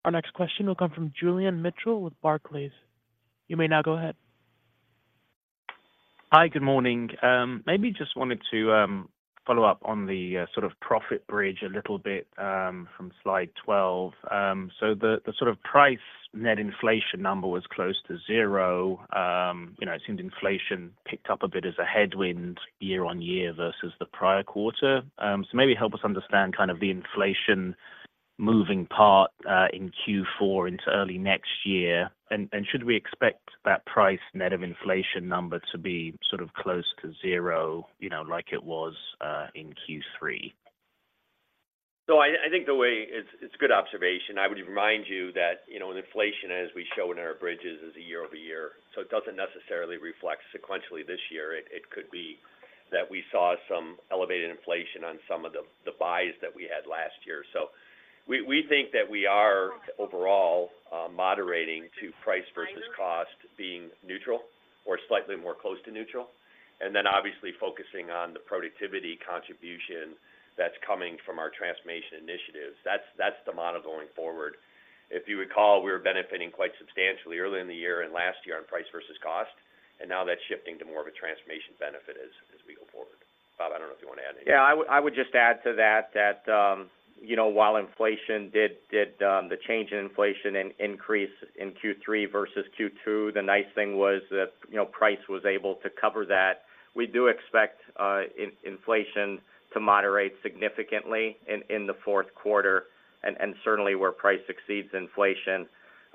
Our next question will come from Julian Mitchell with Barclays. You may now go ahead. Hi, good morning. Maybe just wanted to follow up on the sort of profit bridge a little bit from slide 12. So the sort of price net inflation number was close to zero. You know, it seemed inflation picked up a bit as a headwind year-on-year versus the prior quarter. So maybe help us understand kind of the inflation moving part in Q4 into early next year. And should we expect that price net of inflation number to be sort of close to zero, you know, like it was in Q3? So I think the way it's a good observation. I would remind you that, you know, in inflation, as we show in our bridges, is a year over year, so it doesn't necessarily reflect sequentially this year. It could be that we saw some elevated inflation on some of the buys that we had last year. So we think that we are overall moderating to price versus cost being neutral or slightly more close to neutral, and then obviously focusing on the productivity contribution that's coming from our transformation initiatives. That's the model going forward. If you recall, we were benefiting quite substantially early in the year and last year on price versus cost, and now that's shifting to more of a transformation benefit as we go forward. Bob, I don't know if you want to add anything. Yeah, I would just add to that, you know, while inflation did the change in inflation, an increase in Q3 versus Q2, the nice thing was that, you know, price was able to cover that. We do expect inflation to moderate significantly in the Q4 and certainly where price exceeds inflation.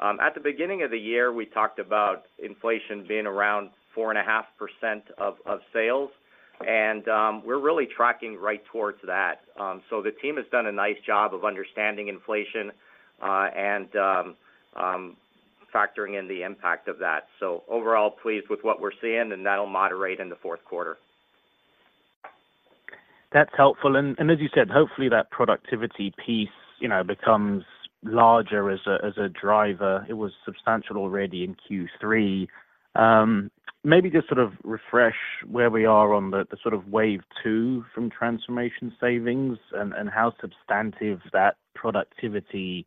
At the beginning of the year, we talked about inflation being around 4.5% of sales, and we're really tracking right towards that. So the team has done a nice job of understanding inflation and factoring in the impact of that. So overall, pleased with what we're seeing, and that'll moderate in the Q4. That's helpful. And as you said, hopefully, that productivity piece, you know, becomes larger as a driver. It was substantial already in Q3. Maybe just sort of refresh where we are on the sort of wave two from transformation savings and how substantive that productivity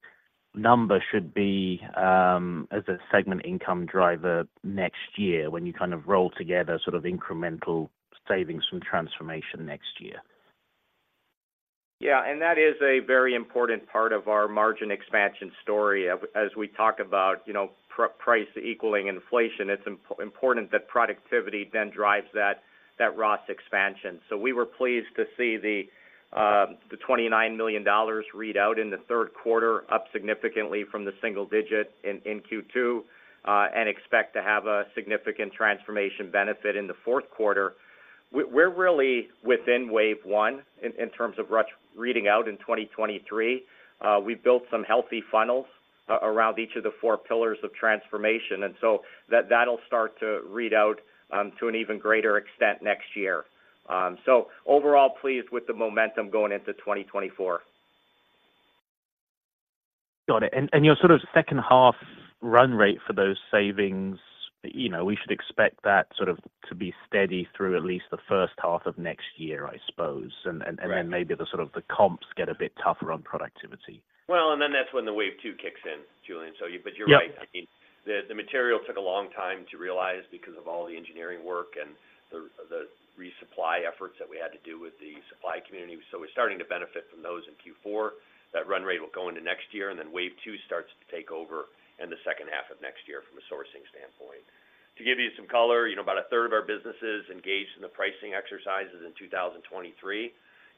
number should be as a segment income driver next year when you kind of roll together sort of incremental savings from transformation next year? Yeah, and that is a very important part of our margin expansion story. As we talk about, you know, price equaling inflation, it's important that productivity then drives that ROS expansion. So we were pleased to see the $29 million read out in the Q3, up significantly from the single digit in Q2, and expect to have a significant transformation benefit in the Q4. We're really within wave one in terms of ROS reading out in 2023. We've built some healthy funnels around each of the four pillars of transformation, and so that'll start to read out to an even greater extent next year. So overall, pleased with the momentum going into 2024. Got it. And your sort of second half run rate for those savings, you know, we should expect that sort of to be steady through at least the first half of next year, I suppose? Right. And then maybe the sort of the comps get a bit tougher on productivity. Well, and then that's when the wave two kicks in, Julian. Yep. But you're right. I mean, the material took a long time to realize because of all the engineering work and the resupply efforts that we had to do with the supply community. So we're starting to benefit from those in Q4. That run rate will go into next year, and then wave two starts to take over in the second half of next year from a sourcing standpoint. To give you some color, you know, about a third of our businesses engaged in the pricing exercises in 2023.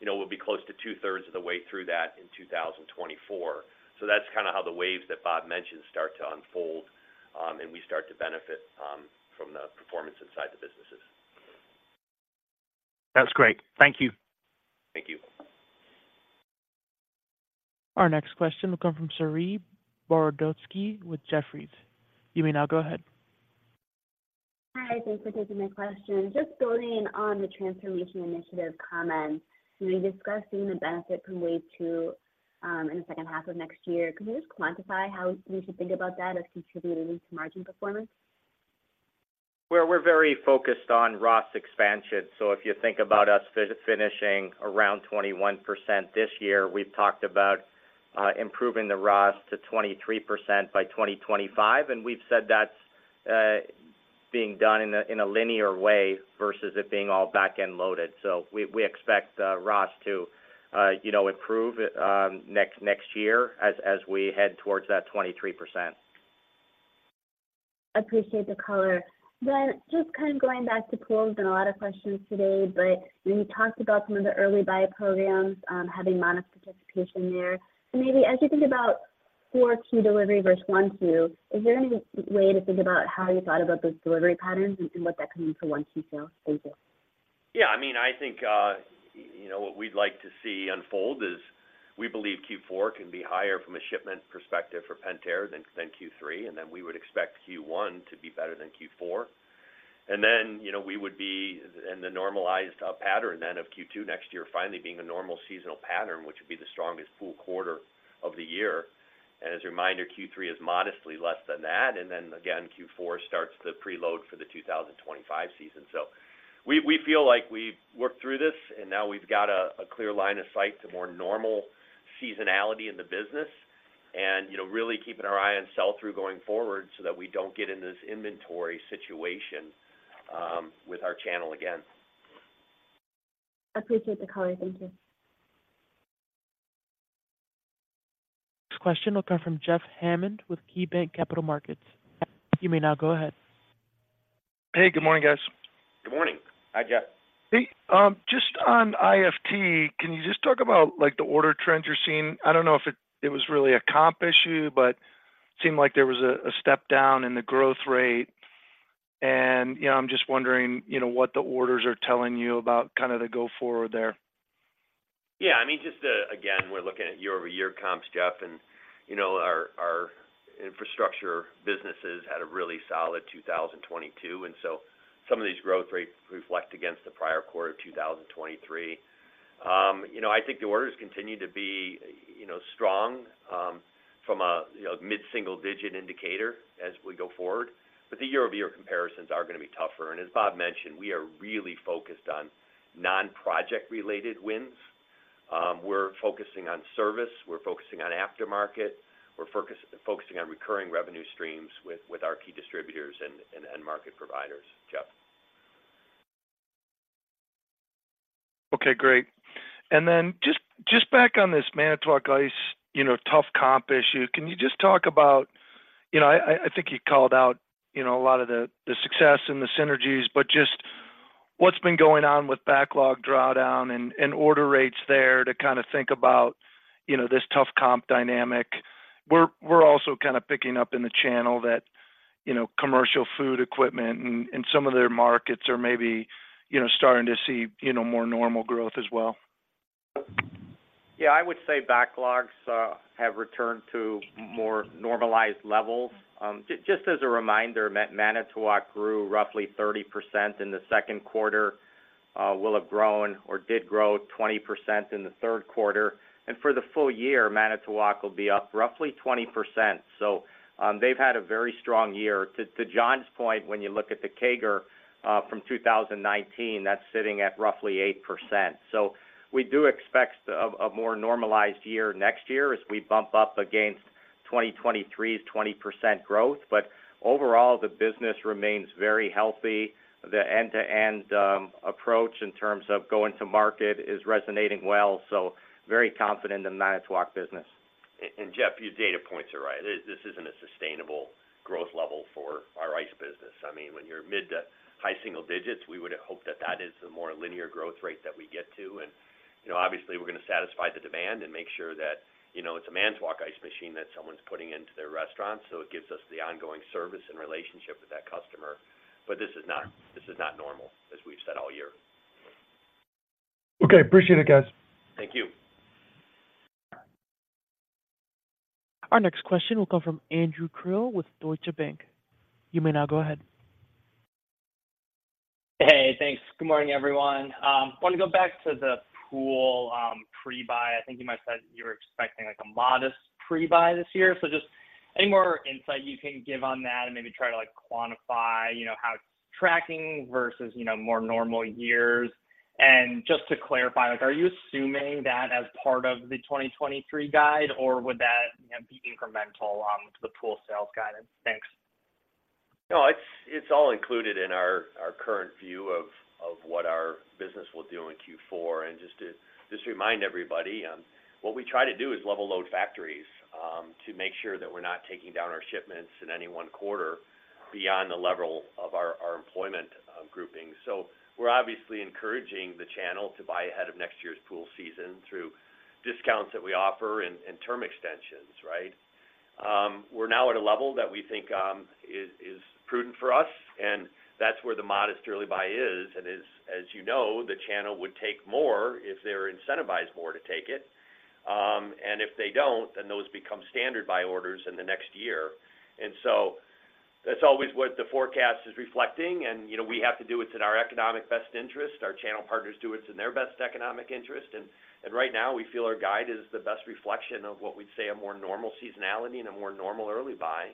You know, we'll be close to two-thirds of the way through that in 2024. So that's kinda how the waves that Bob mentioned start to unfold, and we start to benefit from the performance inside the businesses. That's great. Thank you. Thank you. Our next question will come from Saree Boroditsky with Jefferies. You may now go ahead. Hi, thanks for taking my question. Just building on the transformation initiative comments, you were discussing the benefit from wave two, in the second half of next year. Could you just quantify how we should think about that as contributing to margin performance? Well, we're very focused on ROS expansion. So if you think about us finishing around 21% this year, we've talked about improving the ROS to 23% by 2025, and we've said that's being done in a linear way versus it being all back-end loaded. So we expect ROS to, you know, improve next year as we head towards that 23%. Appreciate the color. Then just kind of going back to pool, there's been a lot of questions today, but when you talked about some of the early buy programs, having modest participation there. So maybe as you think about 4Q delivery versus 1, 2, is there any way to think about how you thought about those delivery patterns and what that could mean for 1, 2 sales? Thank you. Yeah, I mean, I think, you know, what we'd like to see unfold is, we believe Q4 can be higher from a shipment perspective for Pentair than, than Q3, and then we would expect Q1 to be better than Q4. And then, you know, we would be in the normalized, pattern then of Q2 next year, finally being a normal seasonal pattern, which would be the strongest full quarter of the year. And as a reminder, Q3 is modestly less than that, and then again, Q4 starts the preload for the 2025 season. So we, we feel like we've worked through this, and now we've got a, a clear line of sight to more normal seasonality in the business. And, you know, really keeping our eye on sell-through going forward so that we don't get in this inventory situation, with our channel again. Appreciate the color. Thank you. Next question will come from Jeff Hammond with KeyBanc Capital Markets. You may now go ahead. Hey, good morning, guys. Good morning. Hi, Jeff. Hey, just on IFT, can you just talk about, like, the order trends you're seeing? I don't know if it was really a comp issue, but it seemed like there was a step down in the growth rate. And, you know, I'm just wondering, you know, what the orders are telling you about kind of the go forward there. Yeah, I mean, just, again, we're looking at year-over-year comps, Jeff, and, you know, our, our infrastructure businesses had a really solid 2022, and so some of these growth rates reflect against the prior quarter of 2023. You know, I think the orders continue to be, you know, strong, from a, you know, mid-single-digit indicator as we go forward, but the year-over-year comparisons are gonna be tougher. And as Bob mentioned, we are really focused on non-project related wins. We're focusing on service, we're focusing on aftermarket, we're focusing on recurring revenue streams with, with our key distributors and, and end market providers, Jeff. Okay, great. And then just, just back on this Manitowoc Ice, you know, tough comp issue, can you just talk about... You know, I, I think you called out, you know, a lot of the, the success and the synergies, but just what's been going on with backlog drawdown and, and order rates there to kind of think about, you know, this tough comp dynamic. We're, we're also kind of picking up in the channel that, you know, commercial food equipment and, and some of their markets are maybe, you know, starting to see, you know, more normal growth as well. Yeah, I would say backlogs have returned to more normalized levels. Just as a reminder, Manitowoc grew roughly 30% in the Q2, will have grown or did grow 20% in the Q3, and for the full year, Manitowoc will be up roughly 20%. So-... They've had a very strong year. To John's point, when you look at the CAGR from 2019, that's sitting at roughly 8%. So we do expect a more normalized year next year as we bump up against 2023's 20% growth. But overall, the business remains very healthy. The end-to-end approach in terms of going to market is resonating well, so very confident in the Manitowoc business. Jeff, your data points are right. This isn't a sustainable growth level for our ICE business. I mean, when you're mid to high single digits, we would hope that that is the more linear growth rate that we get to. And, you know, obviously, we're going to satisfy the demand and make sure that, you know, it's a Manitowoc Ice machine that someone's putting into their restaurant, so it gives us the ongoing service and relationship with that customer. But this is not normal, as we've said all year. Okay. Appreciate it, guys. Thank you. Our next question will come from Andrew Krill with Deutsche Bank. You may now go ahead. Hey, thanks. Good morning, everyone. I want to go back to the pool pre-buy. I think you might have said you were expecting, like, a modest pre-buy this year. So just any more insight you can give on that and maybe try to, like, quantify, you know, how it's tracking versus, you know, more normal years? And just to clarify, like, are you assuming that as part of the 2023 guide, or would that, you know, be incremental to the pool sales guidance? Thanks. No, it's all included in our current view of what our business will do in Q4. And just to remind everybody, what we try to do is level load factories to make sure that we're not taking down our shipments in any one quarter beyond the level of our employment grouping. So we're obviously encouraging the channel to buy ahead of next year's pool season through discounts that we offer and term extensions, right? We're now at a level that we think is prudent for us, and that's where the modest early buy is. And as you know, the channel would take more if they're incentivized more to take it. And if they don't, then those become standard buy orders in the next year. And so that's always what the forecast is reflecting, and, you know, we have to do what's in our economic best interest. Our channel partners do what's in their best economic interest, and, and right now, we feel our guide is the best reflection of what we'd say a more normal seasonality and a more normal early buy,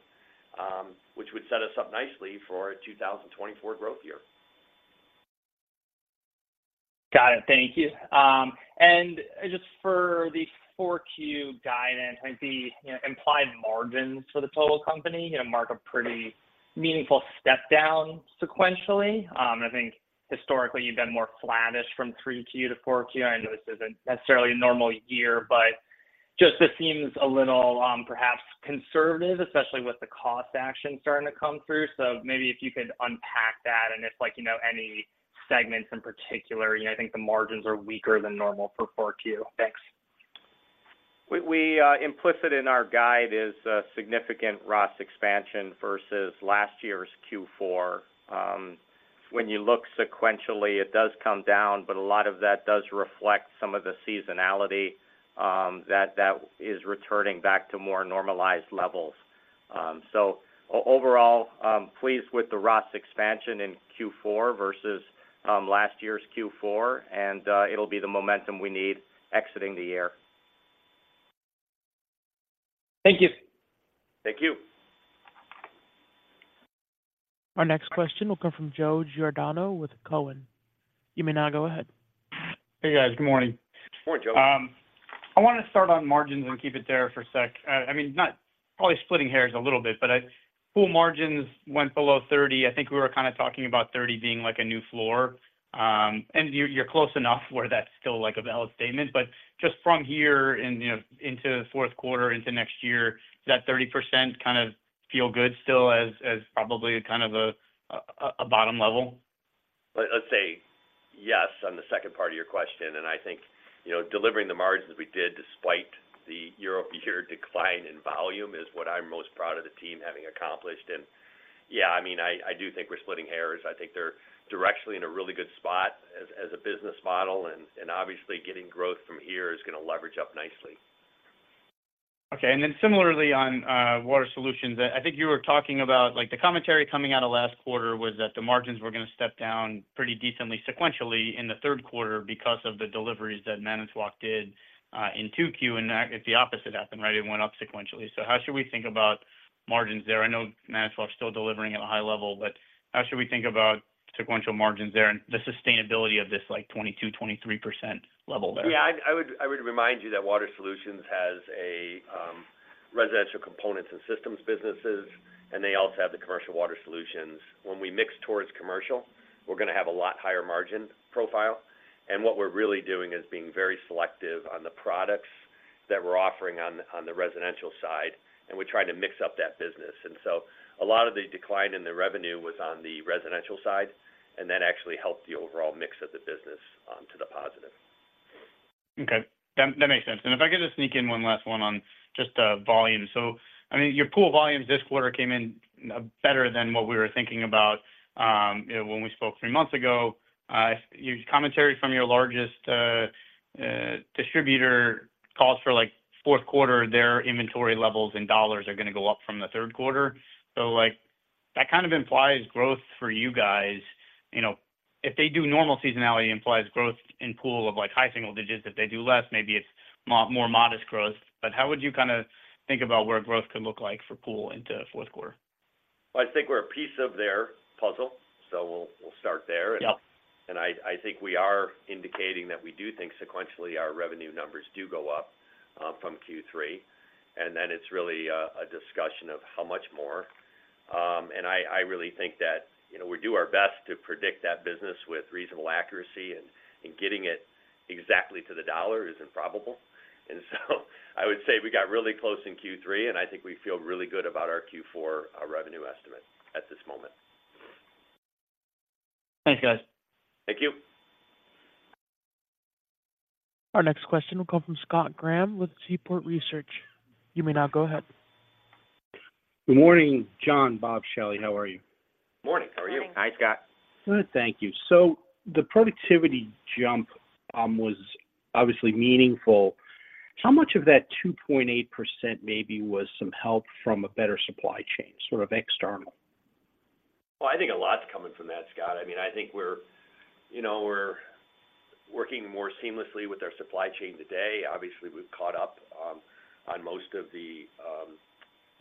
which would set us up nicely for a 2024 growth year. Got it. Thank you. And just for the 4Q guidance, I think the, you know, implied margins for the total company, you know, mark a pretty meaningful step down sequentially. I think historically, you've been more flattish from 3Q to 4Q. I know this isn't necessarily a normal year, but just this seems a little, perhaps conservative, especially with the cost action starting to come through. So maybe if you could unpack that, and if, like, you know, any segments in particular, you know, I think the margins are weaker than normal for 4Q. Thanks. Implicit in our guide is a significant ROS expansion versus last year's Q4. When you look sequentially, it does come down, but a lot of that does reflect some of the seasonality that is returning back to more normalized levels. Overall, pleased with the ROS expansion in Q4 versus last year's Q4, and it'll be the momentum we need exiting the year. Thank you. Thank you. Our next question will come from Joe Giordano with TD Cowen. You may now go ahead. Hey, guys. Good morning. Good morning, Joseph. I want to start on margins and keep it there for a sec. I mean, probably splitting hairs a little bit, but, pool margins went below 30. I think we were kind of talking about 30 being like a new floor. And you're, you're close enough where that's still, like, a valid statement. But just from here and, you know, into the Q4 into next year, does that 30% kind of feel good still as, as probably kind of a, a, a bottom level? Let's say yes on the second part of your question, and I think, you know, delivering the margins we did despite the year-over-year decline in volume, is what I'm most proud of the team having accomplished. And yeah, I mean, I do think we're splitting hairs. I think they're directionally in a really good spot as a business model, and obviously, getting growth from here is going to leverage up nicely. Okay. And then similarly on Water Solutions, I think you were talking about, like, the commentary coming out of last quarter was that the margins were going to step down pretty decently sequentially in the Q3 because of the deliveries that Manitowoc did in 2Q, and that—it's the opposite happened, right? It went up sequentially. So how should we think about margins there? I know Manitowoc is still delivering at a high level, but how should we think about sequential margins there and the sustainability of this, like, 22%-23% level there? Yeah, I would remind you that Water Solutions has a residential components and systems businesses, and they also have the commercial water solutions. When we mix towards commercial, we're going to have a lot higher margin profile. And what we're really doing is being very selective on the products that we're offering on the residential side, and we're trying to mix up that business. And so a lot of the decline in the revenue was on the residential side, and that actually helped the overall mix of the business to the positive. Okay. That makes sense. And if I could just sneak in one last one on just the volume. So, I mean, your pool volumes this quarter came in better than what we were thinking about, you know, when we spoke three months ago. Your commentary from your largest distributor calls for, like, Q4, their inventory levels in dollars are going to go up from the Q3. So, like that kind of implies growth for you guys. You know, if they do normal seasonality, implies growth in pool of like high single digits. If they do less, maybe it's more modest growth. But how would you kind of think about where growth could look like for pool into Q4? Well, I think we're a piece of their puzzle, so we'll, we'll start there. Yep. And I think we are indicating that we do think sequentially, our revenue numbers do go up from Q3, and then it's really a discussion of how much more. And I really think that, you know, we do our best to predict that business with reasonable accuracy, and getting it exactly to the dollar is improbable. And so I would say we got really close in Q3, and I think we feel really good about our Q4 revenue estimate at this moment. Thanks, guys. Thank you. Our next question will come from Scott Graham with Seaport Research. You may now go ahead. Good morning, John, Bob, Shelly. How are you? Morning. How are you Hi, Scott. Good, thank you. So the productivity jump was obviously meaningful. How much of that 2.8% maybe was some help from a better supply chain, sort of external? Well, I think a lot's coming from that, Scott. I mean, I think we're, you know, we're working more seamlessly with our supply chain today. Obviously, we've caught up on most of the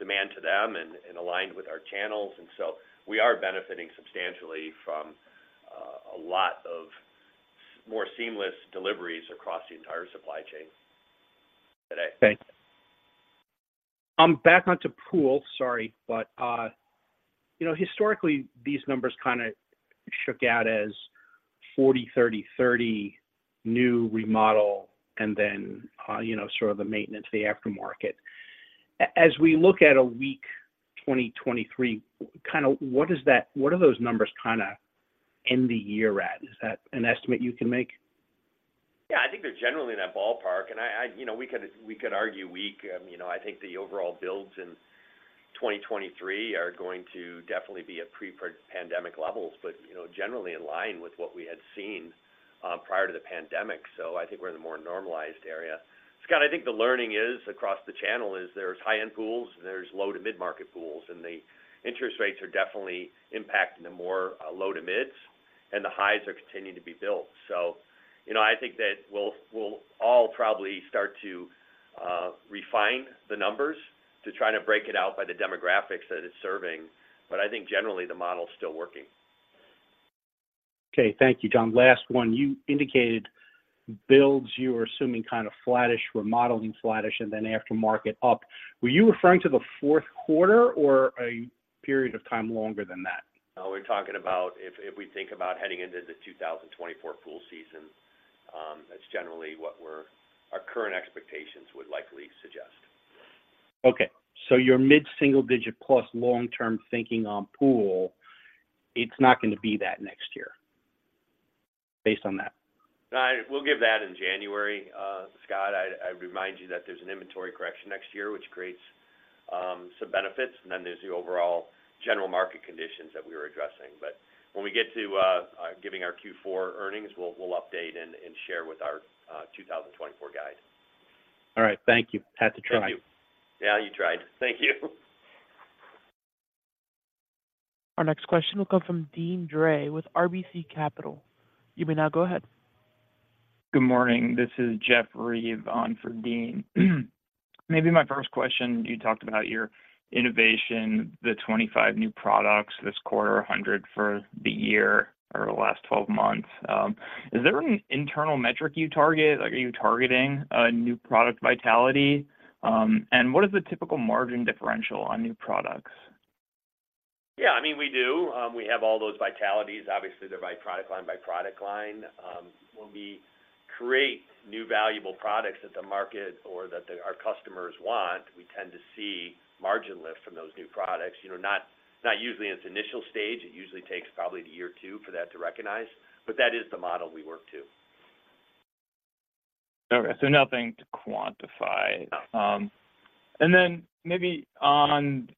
demand to them and aligned with our channels, and so we are benefiting substantially from a lot of more seamless deliveries across the entire supply chain today. Thanks. Back onto pool, sorry, but, you know, historically, these numbers kind of shook out as 40, 30, 30, new remodel, and then, you know, sort of the maintenance, the aftermarket. As we look at a weak 2023, kind of what does that-- what are those numbers kinda end the year at? Is that an estimate you can make? Yeah, I think they're generally in that ballpark, and I. You know, we could argue weak. You know, I think the overall builds in 2023 are going to definitely be at pre-pan-pandemic levels, but, you know, generally in line with what we had seen prior to the pandemic. So I think we're in a more normalized area. Scott, I think the learning is, across the channel is, there's high-end pools, there's low to mid-market pools, and the interest rates are definitely impacting the more low to mids, and the highs are continuing to be built. So, you know, I think that we'll all probably start to refine the numbers to try to break it out by the demographics that it's serving, but I think generally the model is still working. Okay. Thank you, John. Last one. You indicated builds, you are assuming kind of flattish, remodeling flattish, and then aftermarket up. Were you referring to the Q4 or a period of time longer than that? We're talking about if we think about heading into the 2024 pool season, that's generally what our current expectations would likely suggest. Okay. So your mid-single-digit-plus long-term thinking on pool, it's not going to be that next year, based on that? We'll give that in January, Scott. I remind you that there's an inventory correction next year, which creates some benefits, and then there's the overall general market conditions that we are addressing. But when we get to giving our Q4 earnings, we'll update and share with our 2024 guide. All right. Thank you. Had to try. Thank you. Yeah, you tried. Thank you. Our next question will come from Dean Dray with RBC Capital. You may now go ahead. Good morning. This is Jeff Reeves on for Dean. Maybe my first question, you talked about your innovation, the 25 new products this quarter, 100 for the year or the last 12 months. Is there an internal metric you target? Like, are you targeting a new product vitality? And what is the typical margin differential on new products? Yeah, I mean, we do. We have all those vitalities. Obviously, they're by product line, by product line. When we create new valuable products that the market or that the, our customers want, we tend to see margin lift from those new products. You know, not, not usually in its initial stage. It usually takes probably a year or two for that to recognize, but that is the model we work to. Okay. So nothing to quantify. No. And then maybe on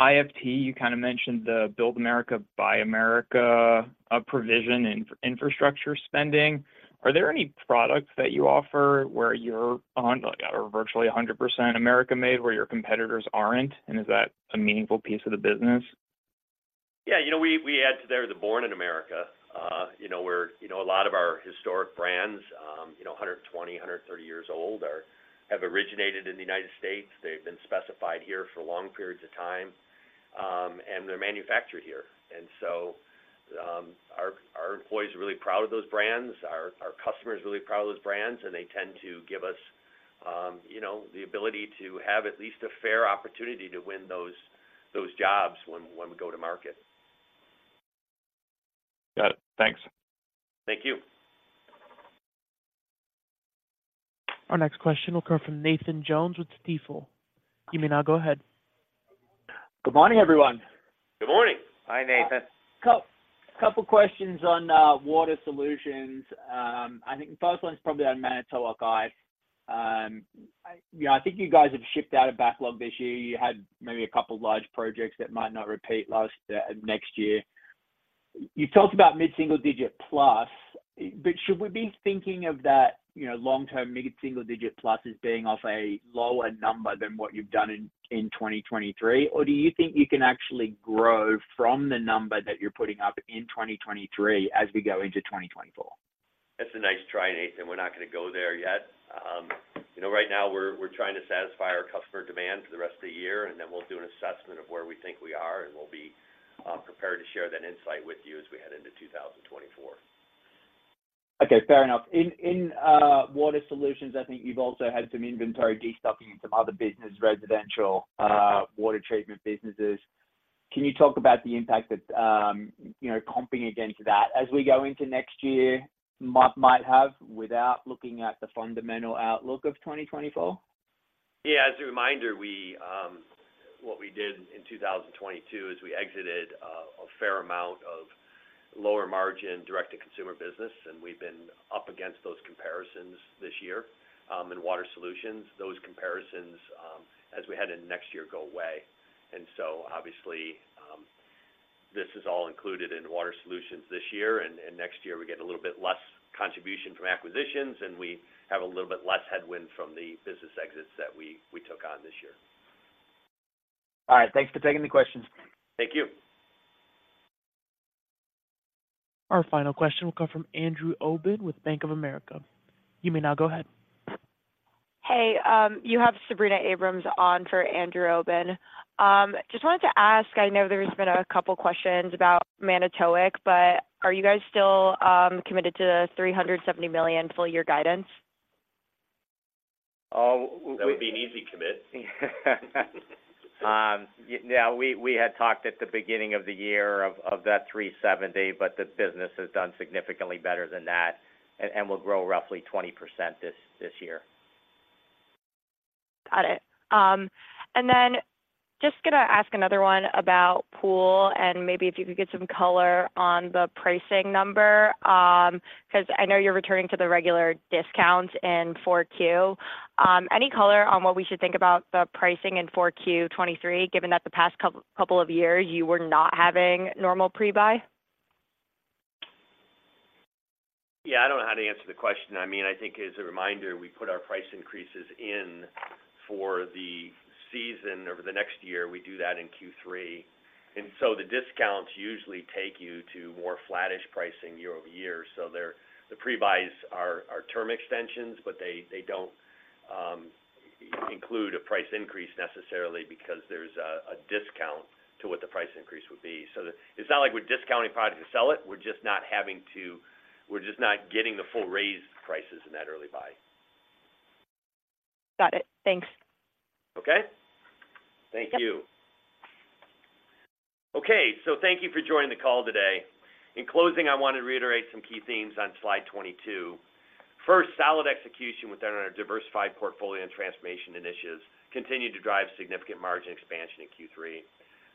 IFT, you kind of mentioned the Build America, Buy America provision in infrastructure spending. Are there any products that you offer where you're on, like, virtually 100% America made, where your competitors aren't? And is that a meaningful piece of the business? Yeah, you know, we add to there, the born in America. You know, where, you know, a lot of our historic brands, you know, 100, 130 years old have originated in the United States. They've been specified here for long periods of time, and they're manufactured here. And so, our employees are really proud of those brands, our customers are really proud of those brands, and they tend to give us, you know, the ability to have at least a fair opportunity to win those jobs when we go to market. Got it. Thanks. Thank you. Our next question will come from Nathan Jones with Stifel. You may now go ahead. Good morning, everyone. Good morning. Hi, Nathan. Couple questions on Water Solutions. I think the first one is probably on Manitowoc Ice. Yeah, I think you guys have shipped out a backlog this year. You had maybe a couple large projects that might not repeat next year.... You talked about mid-single digit plus, but should we be thinking of that, you know, long-term mid-single digit plus as being off a lower number than what you've done in 2023? Or do you think you can actually grow from the number that you're putting up in 2023 as we go into 2024? That's a nice try, Nathan. We're not going to go there yet. You know, right now, we're trying to satisfy our customer demand for the rest of the year, and then we'll do an assessment of where we think we are, and we'll be prepared to share that insight with you as we head into 2024. Okay, fair enough. In Water Solutions, I think you've also had some inventory destocking in some other business, residential water treatment businesses. Can you talk about the impact that, you know, comping against that as we go into next year, might have without looking at the fundamental outlook of 2024? Yeah. As a reminder, we, what we did in 2022 is we exited a fair amount of lower margin direct-to-consumer business, and we've been up against those comparisons this year. In Water Solutions, those comparisons, as we head into next year, go away. And so obviously, this is all included in Water Solutions this year, and next year we get a little bit less contribution from acquisitions, and we have a little bit less headwind from the business exits that we took on this year. All right. Thanks for taking the questions. Thank you. Our final question will come from Andrew Obin with Bank of America. You may now go ahead. Hey, you have Sabrina Abrams on for Andrew Obin. Just wanted to ask, I know there's been a couple of questions about Manitowoc, but are you guys still committed to the $370 million full year guidance? Oh, w-w- That would be an easy commit. Yeah, yeah we had talked at the beginning of the year of that $370, but the business has done significantly better than that and will grow roughly 20% this year. Got it. And then just gonna ask another one about Pool, and maybe if you could get some color on the pricing number, because I know you're returning to the regular discounts in Q4. Any color on what we should think about the pricing in Q4 2023, given that the past couple of years you were not having normal pre-buy? Yeah, I don't know how to answer the question. I mean, I think as a reminder, we put our price increases in for the season over the next year. We do that in Q3, and so the discounts usually take you to more flattish pricing year-over-year. So the pre-buys are term extensions, but they don't include a price increase necessarily because there's a discount to what the price increase would be. So it's not like we're discounting product to sell it, we're just not getting the full raise prices in that early buy. Got it. Thanks. Okay, so thank you for joining the call today. In closing, I want to reiterate some key themes on slide 22. First, solid execution within our diversified portfolio and transformation initiatives continued to drive significant margin expansion in Q3.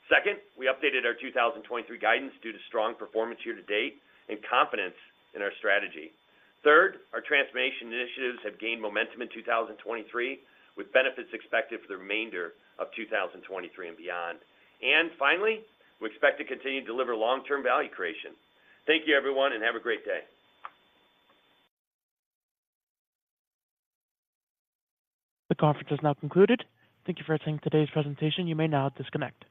Second, we updated our 2023 guidance due to strong performance year to date and confidence in our strategy. Third, our transformation initiatives have gained momentum in 2023, with benefits expected for the remainder of 2023 and beyond. And finally, we expect to continue to deliver long-term value creation. Thank you, everyone, and have a great day. The conference is now concluded. Thank you for attending today's presentation. You may now disconnect.